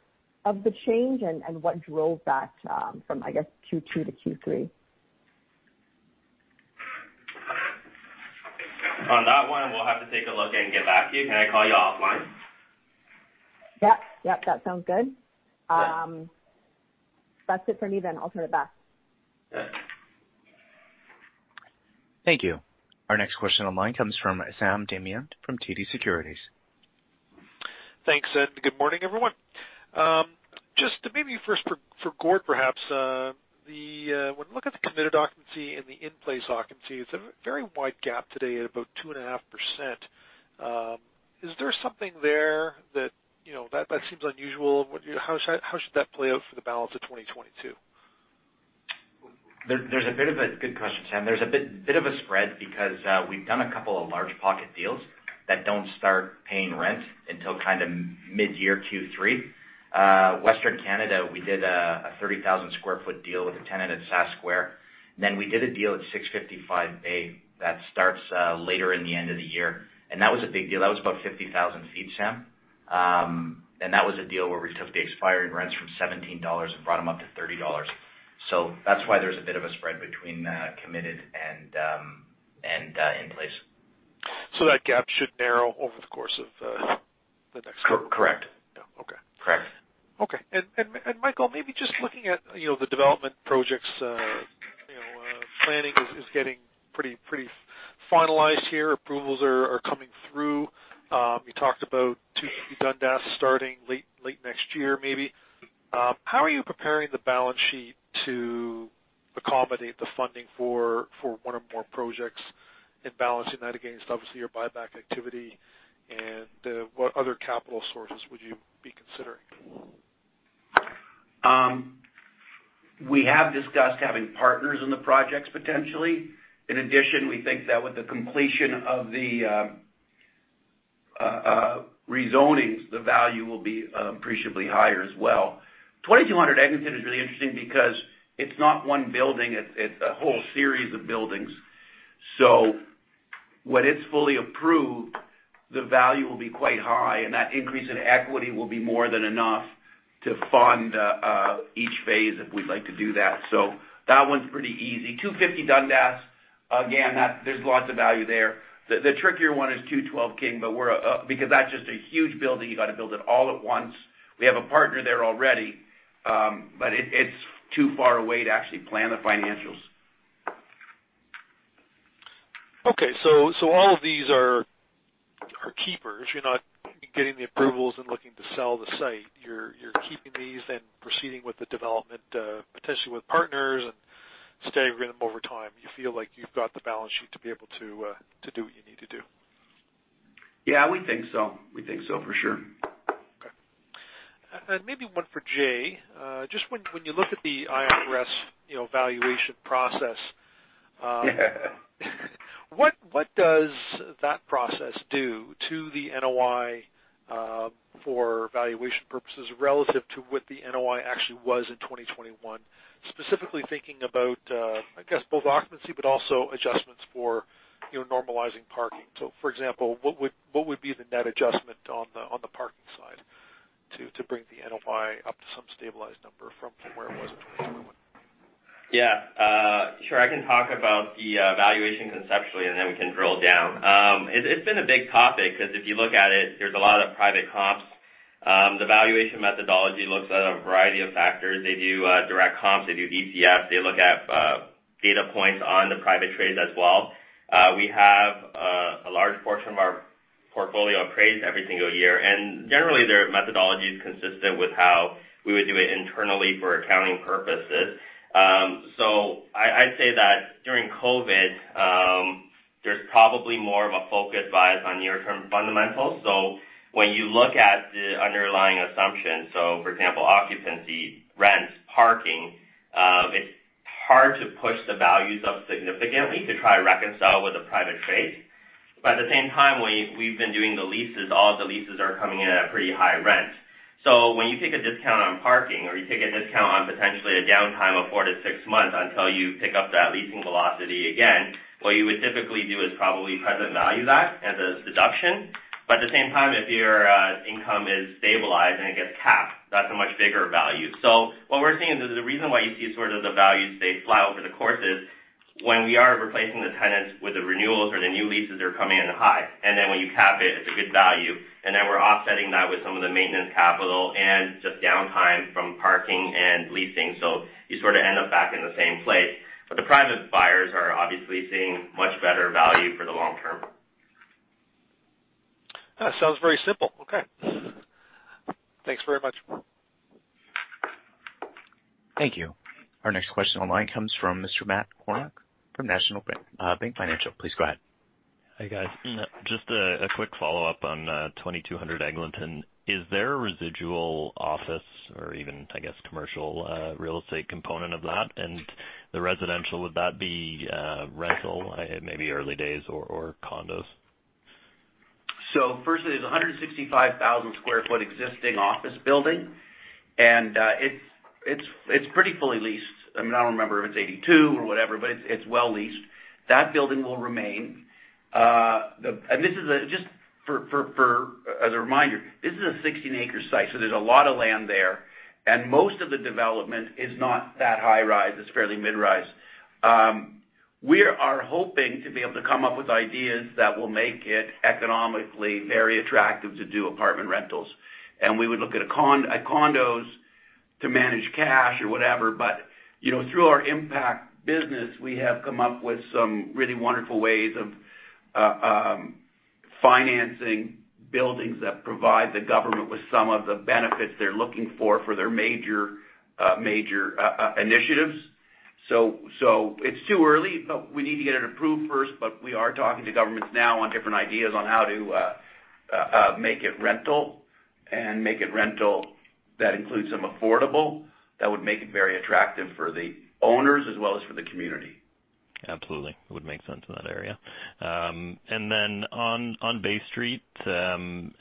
of the change and what drove that from, I guess, Q2 to Q3. On that one, we'll have to take a look and get back to you. Can I call you offline? Yep. Yep, that sounds good. Yeah. That's it for me then. I'll turn it back. Yeah. Thank you. Our next question on the line comes from Sam Damiani from TD Securities. Thanks, good morning, everyone. Just maybe first for Gord, perhaps. When you look at the committed occupancy and the in-place occupancy, it's a very wide gap today at about 2.5%. Is there something there that, you know, seems unusual? How should that play out for the balance of 2022? Good question, Sam. There's a bit of a spread because we've done a couple of large pocket deals that don't start paying rent until kind of mid-year Q3. Western Canada, we did a 30,000 sq ft deal with a tenant at Saskatoon Square. Then we did a deal at 655 A that starts later in the end of the year. That was a big deal. That was about 50,000 sq ft, Sam. That was a deal where we took the expiring rents from 17 dollars and brought them up to 30 dollars. That's why there's a bit of a spread between committed and in place. That gap should narrow over the course of the next Cor-correct. Yeah. Okay. Correct. Okay. Michael, maybe just looking at, you know, the development projects, you know, planning is getting pretty finalized here. Approvals are coming through. You talked about 250 Dundas starting late next year, maybe. How are you preparing the balance sheet to accommodate the funding for one or more projects and balancing that against obviously your buyback activity and what other capital sources would you be considering? We have discussed having partners in the projects potentially. In addition, we think that with the completion of the rezonings, the value will be appreciably higher as well. 2200 Eglinton is really interesting because it's not one building. It's a whole series of buildings. When it's fully approved, the value will be quite high, and that increase in equity will be more than enough to fund each phase if we'd like to do that. That one's pretty easy. 250 Dundas, again, that's, there's lots of value there. The trickier one is 212 King, but because that's just a huge building, you gotta build it all at once. We have a partner there already, but it's too far away to actually plan the financials. Okay. All of these are keepers. You're not getting the approvals and looking to sell the site. You're keeping these and proceeding with the development, potentially with partners and staggering them over time. You feel like you've got the balance sheet to be able to do what you need to do. Yeah, we think so. We think so for sure. Okay. Maybe one for Jay. Just when you look at the IFRS, you know, valuation process, what does that process do to the NOI for valuation purposes relative to what the NOI actually was in 2021? Specifically thinking about, I guess both occupancy, but also adjustments for, you know, normalizing parking. For example, what would be the net adjustment on the parking side to bring the NOI up to some stabilized number from where it was in 2021? Yeah. Sure. I can talk about the valuation conceptually, and then we can drill down. It's been a big topic because if you look at it, there's a lot of private comps. The valuation methodology looks at a variety of factors. They do direct comps, they do DCF, they look at data points on the private trades as well. We have a large portion of our portfolio appraised every single year. Generally, their methodology is consistent with how we would do it internally for accounting purposes. I'd say that during COVID, there's probably more of a focus bias on near-term fundamentals. When you look at the underlying assumptions, for example, occupancy, rents, parking, it's hard to push the values up significantly to try to reconcile with a private trade. At the same time, we've been doing the leases. All of the leases are coming in at a pretty high rent. When you take a discount on parking or you take a discount on potentially a downtime of four to six months until you pick up that leasing velocity again, what you would typically do is probably present value that as a deduction. At the same time, if your income is stabilized and it gets capped, that's a much bigger value. What we're seeing is the reason why you see sort of the values, they fly over the course is when we are replacing the tenants with the renewals or the new leases that are coming in high. Then when you cap it's a good value. We're offsetting that with some of the maintenance capital and just downtime from parking and leasing. You sort of end up back in the same place. The private buyers are obviously seeing much better value for the long term. That sounds very simple. Okay. Thanks very much. Thank you. Our next question online comes from Mr. Matt Kornack from National Bank Financial. Please go ahead. Hi, guys. Just a quick follow-up on 2200 Eglinton. Is there a residual office or even, I guess, commercial real estate component of that? The residential, would that be rental, maybe early days or condos? Firstly, it's a 165,000 sq ft existing office building. It's pretty fully leased. I mean, I don't remember if it's 82% or whatever, but it's well leased. That building will remain. Just as a reminder, this is a 16-acre site, so there's a lot of land there, and most of the development is not that high-rise. It's fairly mid-rise. We are hoping to be able to come up with ideas that will make it economically very attractive to do apartment rentals. We would look at condos to manage cash or whatever. You know, through our Impact business, we have come up with some really wonderful ways of financing buildings that provide the government with some of the benefits they're looking for for their major initiatives. It's too early, but we need to get it approved first. We are talking to governments now on different ideas on how to make it rental that includes some affordable that would make it very attractive for the owners as well as for the community. Absolutely. It would make sense in that area. Then on Bay Street, I'm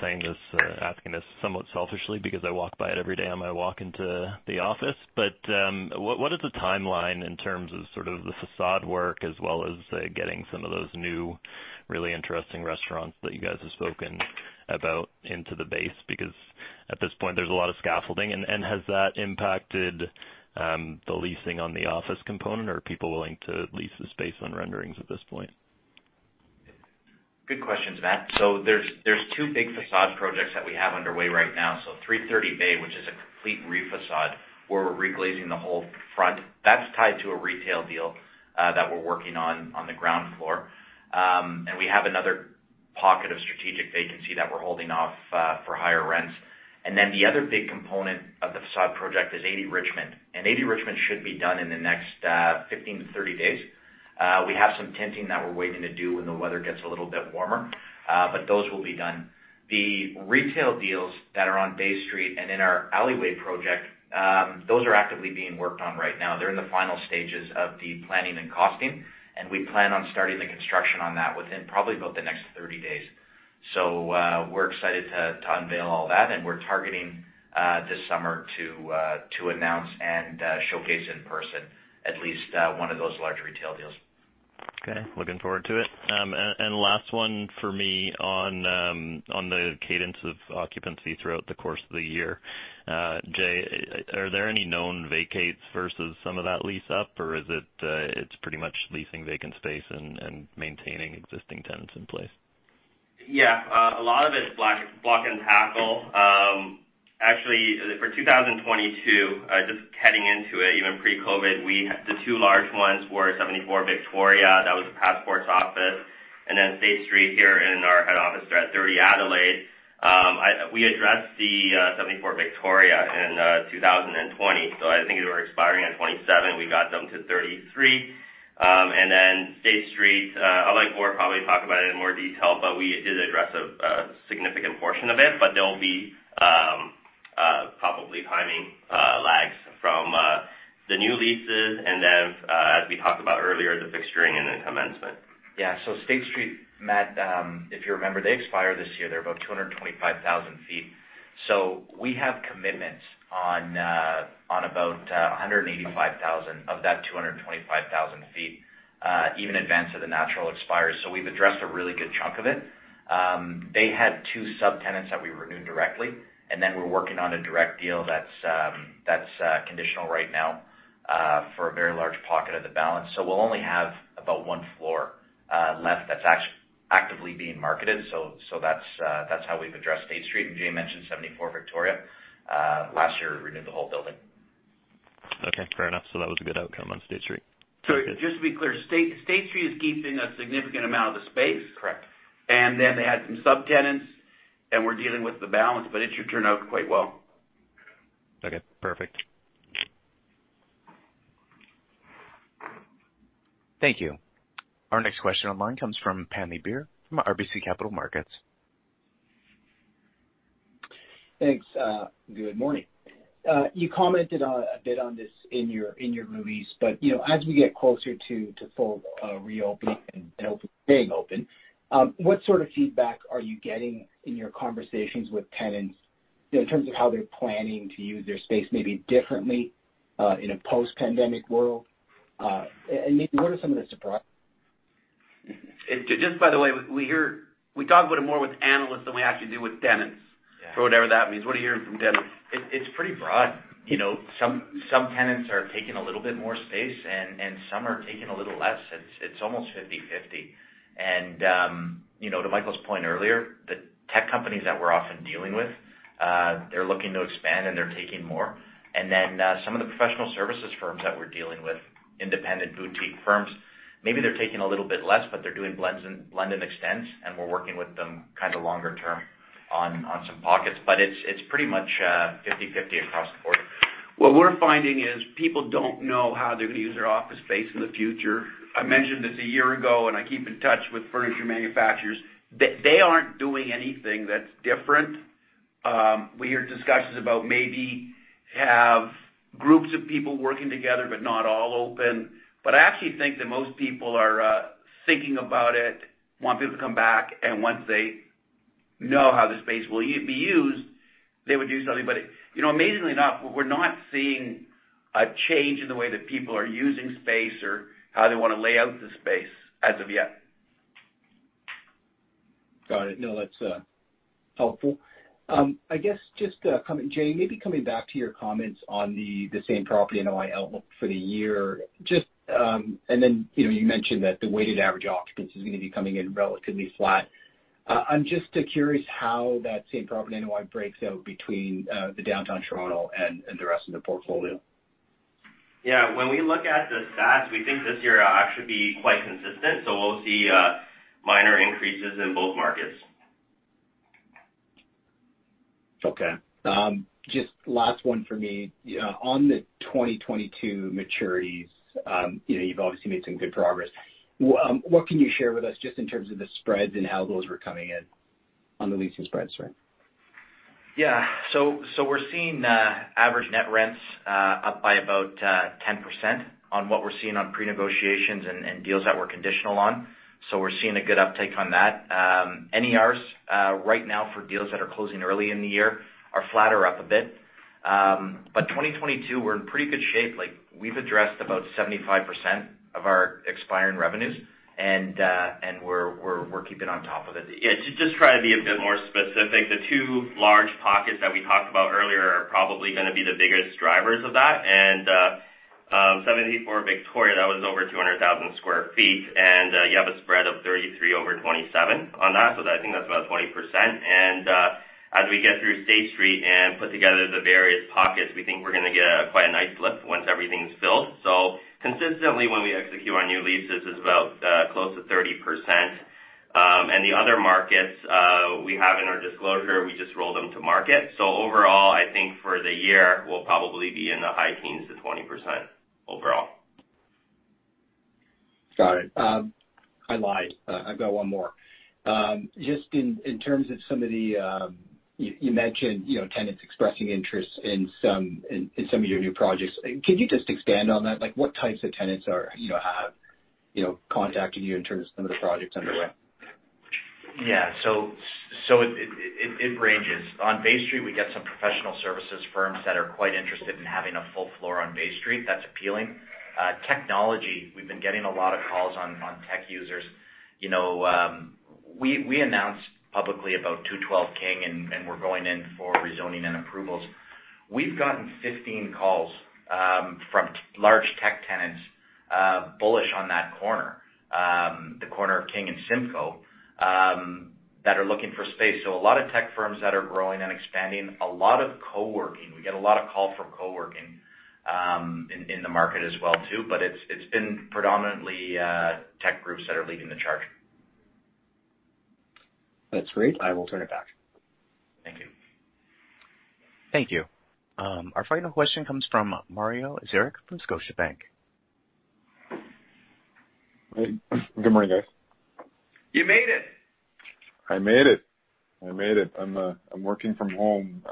saying this asking this somewhat selfishly because I walk by it every day on my walk into the office. What is the timeline in terms of sort of the facade work as well as getting some of those new really interesting restaurants that you guys have spoken about into the base? Because at this point, there's a lot of scaffolding. Has that impacted the leasing on the office component, or are people willing to lease the space on renderings at this point? Good question, Matt. There's two big facade projects that we have underway right now. Three Thirty Bay, which is a complete re-facade where we're reglazing the whole front. That's tied to a retail deal that we're working on on the ground floor. We have another pocket of strategic vacancy that we're holding off for higher rents. The other big component of the facade project is Eighty Richmond. Eighty Richmond should be done in the next 15-30 days. We have some tinting that we're waiting to do when the weather gets a little bit warmer, but those will be done. The retail deals that are on Bay Street and in our alleyway project, those are actively being worked on right now. They're in the final stages of the planning and costing, and we plan on starting the construction on that within probably about the next 30 days. We're excited to unveil all that, and we're targeting this summer to announce and showcase in person at least one of those large retail deals. Okay. Looking forward to it. Last one for me on the cadence of occupancy throughout the course of the year. Jay, are there any known vacates versus some of that lease up, or is it it's pretty much leasing vacant space and maintaining existing tenants in place? Yeah. A lot of it is block and tackle. Actually for 2022, just heading into it even pre-COVID, the two large ones were 74 Victoria, that was the passports office, and then State Street here in our head office, we're at 30 Adelaide. We addressed the 74 Victoria in 2020. So I think they were expiring at 2027. We got them to 2033. And then State Street, Alec Moor will probably talk about it in more detail, but we did address a significant portion of it, but they'll be probably timing from the new leases and then, as we talked about earlier, the fixturing and the commencement. Yeah. State Street, Matt, if you remember, they expire this year. They're about 225,000 sq ft. We have commitments on about 185,000 of that 225,000 sq ft, even in advance of the lease expires. We've addressed a really good chunk of it. They had two subtenants that we renewed directly, and then we're working on a direct deal that's conditional right now, for a very large pocket of the balance. We'll only have about one floor left that's actively being marketed. That's how we've addressed State Street. Jay mentioned 74 Victoria. Last year, we renewed the whole building. Okay, fair enough. That was a good outcome on State Street. Just to be clear, State Street is keeping a significant amount of the space. Correct. They had some subtenants, and we're dealing with the balance, but it should turn out quite well. Okay, perfect. Thank you. Our next question online comes from Pammi Bir from RBC Capital Markets. Thanks. Good morning. You commented on this a bit in your release, but you know as we get closer to full reopening and being open, what sort of feedback are you getting in your conversations with tenants in terms of how they're planning to use their space maybe differently in a post-pandemic world? And maybe what are some of the surprises? Just by the way, we talk about it more with analysts than we actually do with tenants. Yeah. For whatever that means. What are you hearing from tenants? It's pretty broad. You know, some tenants are taking a little bit more space and some are taking a little less. It's almost 50/50. You know, to Michael's point earlier, the tech companies that we're often dealing with, they're looking to expand, and they're taking more. Some of the professional services firms that we're dealing with, independent boutique firms, maybe they're taking a little bit less, but they're doing blend and extends, and we're working with them kind of longer term on some pockets. It's pretty much 50/50 across the board. What we're finding is people don't know how they're gonna use their office space in the future. I mentioned this a year ago, and I keep in touch with furniture manufacturers, they aren't doing anything that's different. We hear discussions about maybe have groups of people working together, but not all open. I actually think that most people are thinking about it, want people to come back, and once they know how the space will be used, they would do something. You know, amazingly enough, we're not seeing a change in the way that people are using space or how they wanna lay out the space as of yet. Got it. No, that's helpful. I guess just coming back to your comments on the same property NOI outlook for the year just, and then, you know, you mentioned that the weighted average occupancy is gonna be coming in relatively flat. I'm just curious how that same property NOI breaks out between the Downtown Toronto and the rest of the portfolio. Yeah. When we look at the stats, we think this year it'll actually be quite consistent, so we'll see minor increases in both markets. Okay. Just last one for me. On the 2022 maturities, you know, you've obviously made some good progress. What can you share with us just in terms of the spreads and how those were coming in on the leasing spreads, sorry? Yeah. We're seeing average net rents up by about 10% on what we're seeing on pre-negotiations and deals that we're conditional on. We're seeing a good uptake on that. NERs right now for deals that are closing early in the year are flat or up a bit. 2022, we're in pretty good shape. Like, we've addressed about 75% of our expiring revenues, and we're keeping on top of it. Yeah. To just try to be a bit more specific, the two large pockets that we talked about earlier are probably gonna be the biggest drivers of that. 74 Victoria, that was over 200,000 sq ft, and you have a spread of 33 over 27 on that. I think that's about 20%. As we get through State Street and put together the various pockets, we think we're gonna get a quite a nice lift once everything's filled. Consistently, when we execute our new leases, it's about close to 30%. The other markets, we have in our disclosure, we just roll them to market. Overall, I think for the year, we'll probably be in the high teens to 20% overall. Got it. I lied. I've got one more. Just in terms of some of the you mentioned, you know, tenants expressing interest in some of your new projects. Can you just expand on that? Like, what types of tenants, you know, have, you know, contacted you in terms of some of the projects underway? It ranges. On Bay Street, we get some professional services firms that are quite interested in having a full floor on Bay Street. That's appealing. Technology, we've been getting a lot of calls on tech users. We announced publicly about 212 King, and we're going in for rezoning and approvals. We've gotten 15 calls from large tech tenants bullish on that corner, the corner of King and Simcoe, that are looking for space. A lot of tech firms that are growing and expanding. A lot of co-working. We get a lot of calls from co-working in the market as well too, but it's been predominantly tech groups that are leading the charge. That's great. I will turn it back. Thank you. Thank you. Our final question comes from Mario Saric from Scotiabank. Hey, good morning, guys. You made it. I made it. I'm working from home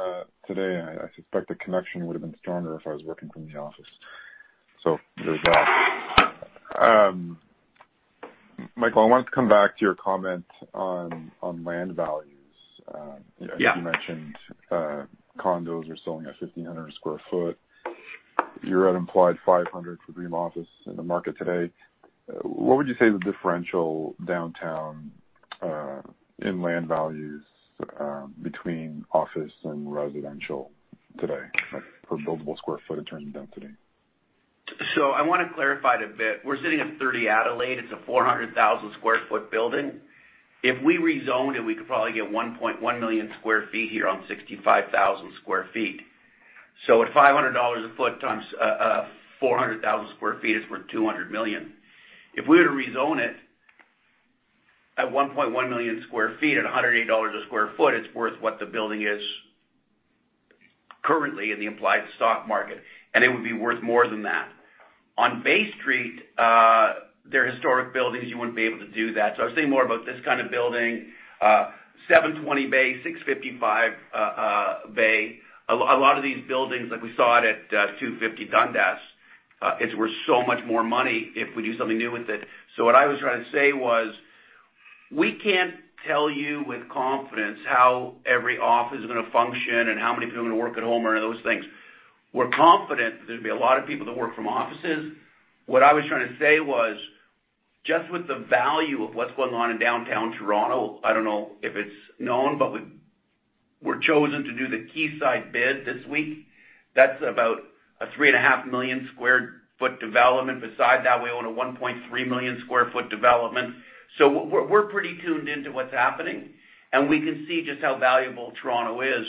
today. I suspect the connection would have been stronger if I was working from the office. There's that. Michael, I wanted to come back to your comment on land values. Yeah. You mentioned condos are selling at 1,500 a sq ft. You're at implied 500 for Dream Office in the market today. What would you say the differential downtown in land values between office and residential today for buildable sq ft in terms of density? I want to clarify it a bit. We're sitting at 30 Adelaide. It's a 400,000 sq ft building. If we rezoned it, we could probably get 1.1 million sq ft here on 65,000 sq ft. At 500 dollars a foot times 400,000 sq ft, it's worth 200 million. If we were to rezone it at 1.1 million sq ft at 108 dollars a sq ft, it's worth what the building is currently in the implied stock market, and it would be worth more than that. On Bay Street, they're historic buildings, you wouldn't be able to do that. I was thinking more about this kind of building, 720 Bay, 655 Bay. A lot of these buildings, like we saw it at 250 Dundas, it's worth so much more money if we do something new with it. What I was trying to say was, we can't tell you with confidence how every office is going to function and how many people are going to work at home or any of those things. We're confident that there'd be a lot of people to work from offices. What I was trying to say was, just with the value of what's going on in downtown Toronto, I don't know if it's known, but we're chosen to do the Quayside bid this week. That's about a 3.5 million sq ft development. Besides that, we own a 1.3 million sq ft development. We're pretty tuned into what's happening, and we can see just how valuable Toronto is.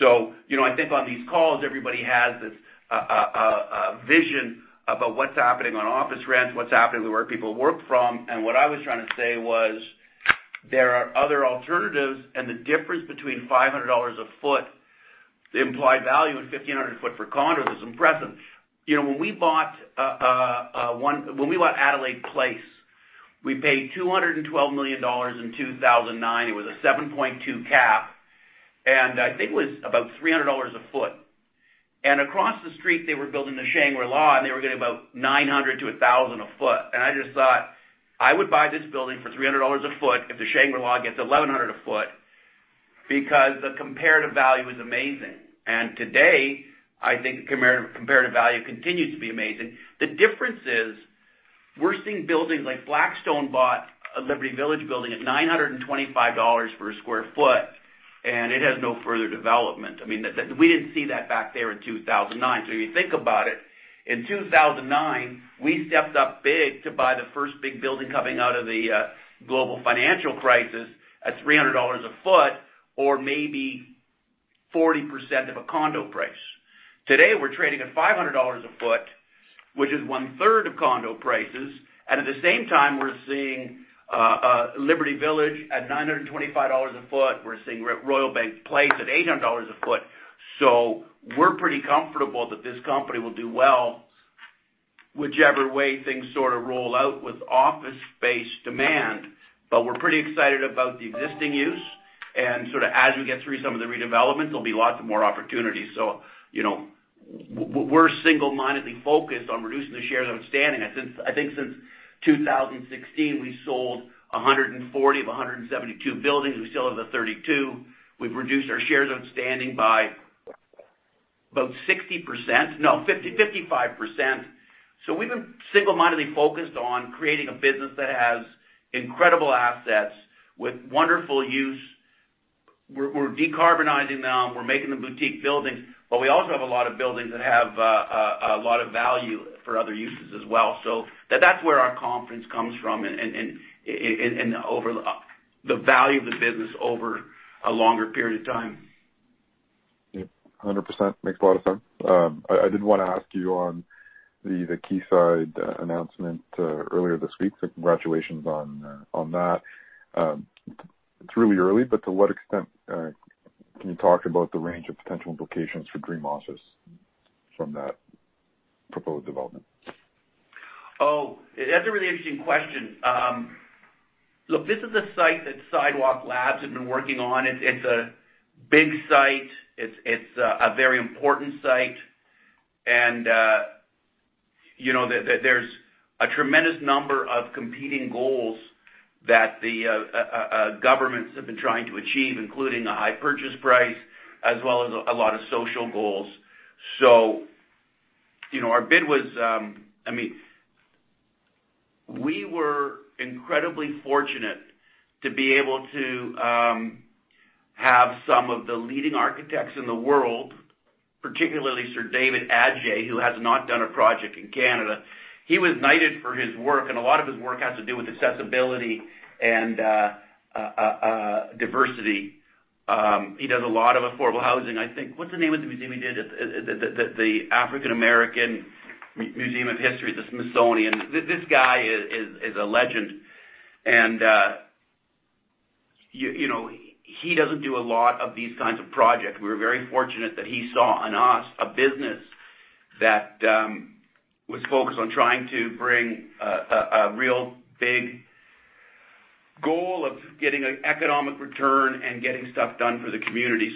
You know, I think on these calls, everybody has this a vision about what's happening on office rents, what's happening where people work from. What I was trying to say was, there are other alternatives, and the difference between 500 dollars a sq ft, the implied value, and 1,500 a sq ft for condo is impressive. You know, when we bought Adelaide Place, we paid 212 million dollars in 2009. It was a 7.2 cap. I think it was about 300 dollars a sq ft. Across the street, they were building the Shangri-La, and they were getting about 900-1,000 a sq ft. I just thought, "I would buy this building for 300 dollars a foot if the Shangri-La gets 1,100 a foot because the comparative value is amazing." Today, I think the comparative value continues to be amazing. The difference is, we're seeing buildings like Blackstone bought a Liberty Village building at 925 dollars per square foot, and it has no further development. I mean, we didn't see that back there in 2009. If you think about it, in 2009, we stepped up big to buy the first big building coming out of the global financial crisis at 300 dollars a foot or maybe 40% of a condo price. Today, we're trading at 500 dollars a foot, which is one-third of condo prices. At the same time, we're seeing Liberty Village at 925 dollars a foot. We're seeing Royal Bank Place at 800 dollars a foot. We're pretty comfortable that this company will do well whichever way things sort of roll out with office space demand. We're pretty excited about the existing use. Sort of as we get through some of the redevelopments, there'll be lots of more opportunities. You know, we're single-mindedly focused on reducing the shares outstanding. I think since 2016, we sold 140 of 172 buildings. We still have the 32. We've reduced our shares outstanding by about 60%. No, 55%. We've been single-mindedly focused on creating a business that has incredible assets with wonderful use. We're decarbonizing them, we're making them boutique buildings, but we also have a lot of buildings that have a lot of value for other uses as well. So that's where our confidence comes from and over the value of the business over a longer period of time. Yeah. 100%. Makes a lot of sense. I did wanna ask you on the Quayside announcement earlier this week. Congratulations on that. It's really early, but to what extent can you talk about the range of potential implications for Dream Office from that proposed development? Oh, that's a really interesting question. Look, this is a site that Sidewalk Labs have been working on. It's a big site. It's a very important site. You know, there's a tremendous number of competing goals that the governments have been trying to achieve, including a high purchase price as well as a lot of social goals. You know, our bid was. I mean, we were incredibly fortunate to be able to have some of the leading architects in the world, particularly Sir David Adjaye, who has not done a project in Canada. He was knighted for his work, and a lot of his work has to do with accessibility and diversity. He does a lot of affordable housing. I think. What's the name of the museum he did? The African American Museum of History, the Smithsonian. This guy is a legend. You know, he doesn't do a lot of these kinds of projects. We were very fortunate that he saw in us a business that was focused on trying to bring a real big goal of getting an economic return and getting stuff done for the community.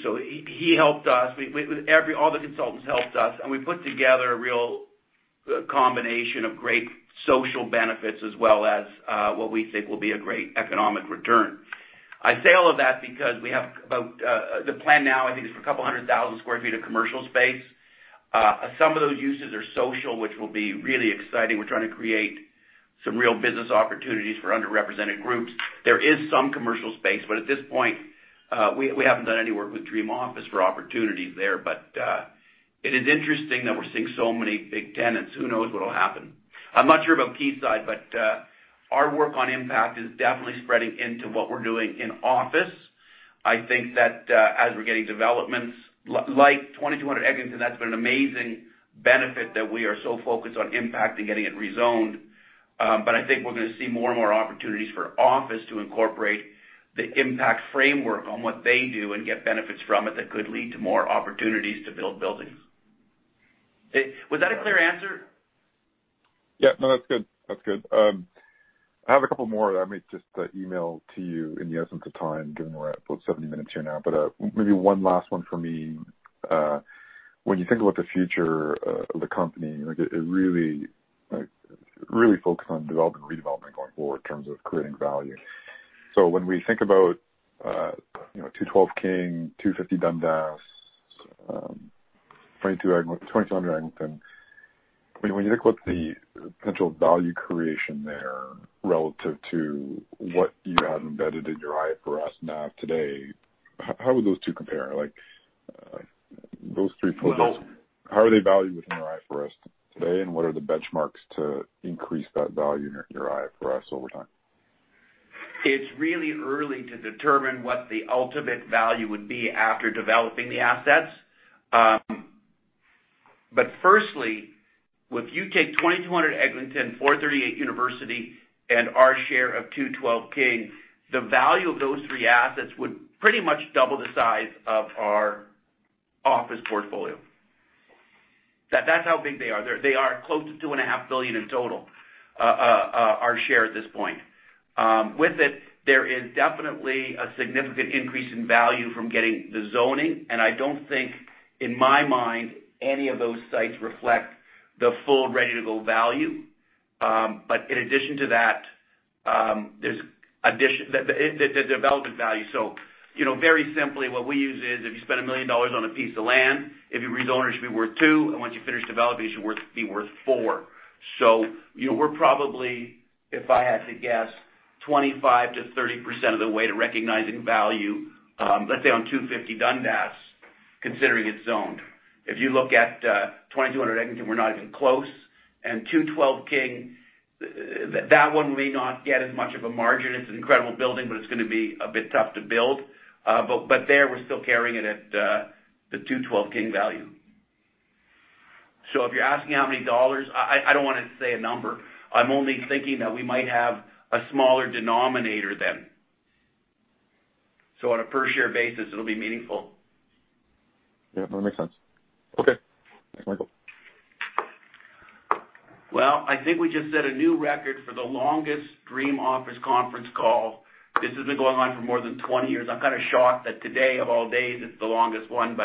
He helped us. All the consultants helped us, and we put together a real combination of great social benefits as well as what we think will be a great economic return. I say all of that because we have about the plan now, I think, is for 200,000 sq ft of commercial space. Some of those uses are social, which will be really exciting. We're trying to create some real business opportunities for underrepresented groups. There is some commercial space, but at this point, we haven't done any work with Dream Office for opportunities there. It is interesting that we're seeing so many big tenants. Who knows what'll happen? I'm not sure about Quayside, our work on impact is definitely spreading into what we're doing in office. I think that, as we're getting developments like 2200 Eglinton, that's been an amazing benefit that we are so focused on impact and getting it rezoned. I think we're gonna see more and more opportunities for office to incorporate the impact framework on what they do and get benefits from it that could lead to more opportunities to build buildings. Was that a clear answer? Yeah. No, that's good. That's good. I have a couple more that I made just to email to you in the interest of time, given we're at about 70 minutes here now. Maybe one last one from me. When you think about the future of the company, like, it really focused on development and redevelopment going forward in terms of creating value. When we think about, you know, 212 King, 250 Dundas, 2200 Eglinton. I mean, when you look what the potential value creation there relative to what you have embedded in your IFRS NAV today, how would those two compare? Like, those three folders. Well- How are they valued within your IFRS today, and what are the benchmarks to increase that value in your IFRS over time? It's really early to determine what the ultimate value would be after developing the assets. Firstly, if you take 2200 Eglinton, 438 University, and our share of 212 King, the value of those three assets would pretty much double the size of our office portfolio. That's how big they are. They are close to 2.5 billion in total, our share at this point. With it, there is definitely a significant increase in value from getting the zoning, and I don't think, in my mind, any of those sites reflect the full ready-to-go value. In addition to that, there's the development value. You know, very simply, what we use is if you spend 1 million dollars on a piece of land, if you rezone, it should be worth two. Once you finish development, it should be worth four. You know, we're probably, if I had to guess, 25%-30% of the way to recognizing value, let's say on 250 Dundas, considering it's zoned. If you look at 2200 Eglinton, we're not even close. 212 King, that one may not get as much of a margin. It's an incredible building, but it's gonna be a bit tough to build. But there, we're still carrying it at the 212 King value. If you're asking how many dollars, I don't wanna say a number. I'm only thinking that we might have a smaller denominator then. On a per share basis, it'll be meaningful. Yeah, that makes sense. Okay. Thanks, Michael. Well, I think we just set a new record for the longest Dream Office conference call. This has been going on for more than 20 years. I'm kind of shocked that today, of all days, it's the longest one.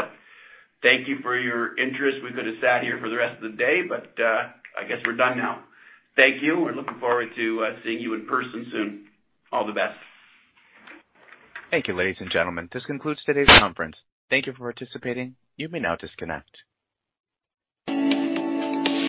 Thank you for your interest. We could have sat here for the rest of the day, but I guess we're done now. Thank you, and looking forward to seeing you in person soon. All the best. Thank you, ladies and gentlemen. This concludes today's conference. Thank you for participating. You may now disconnect.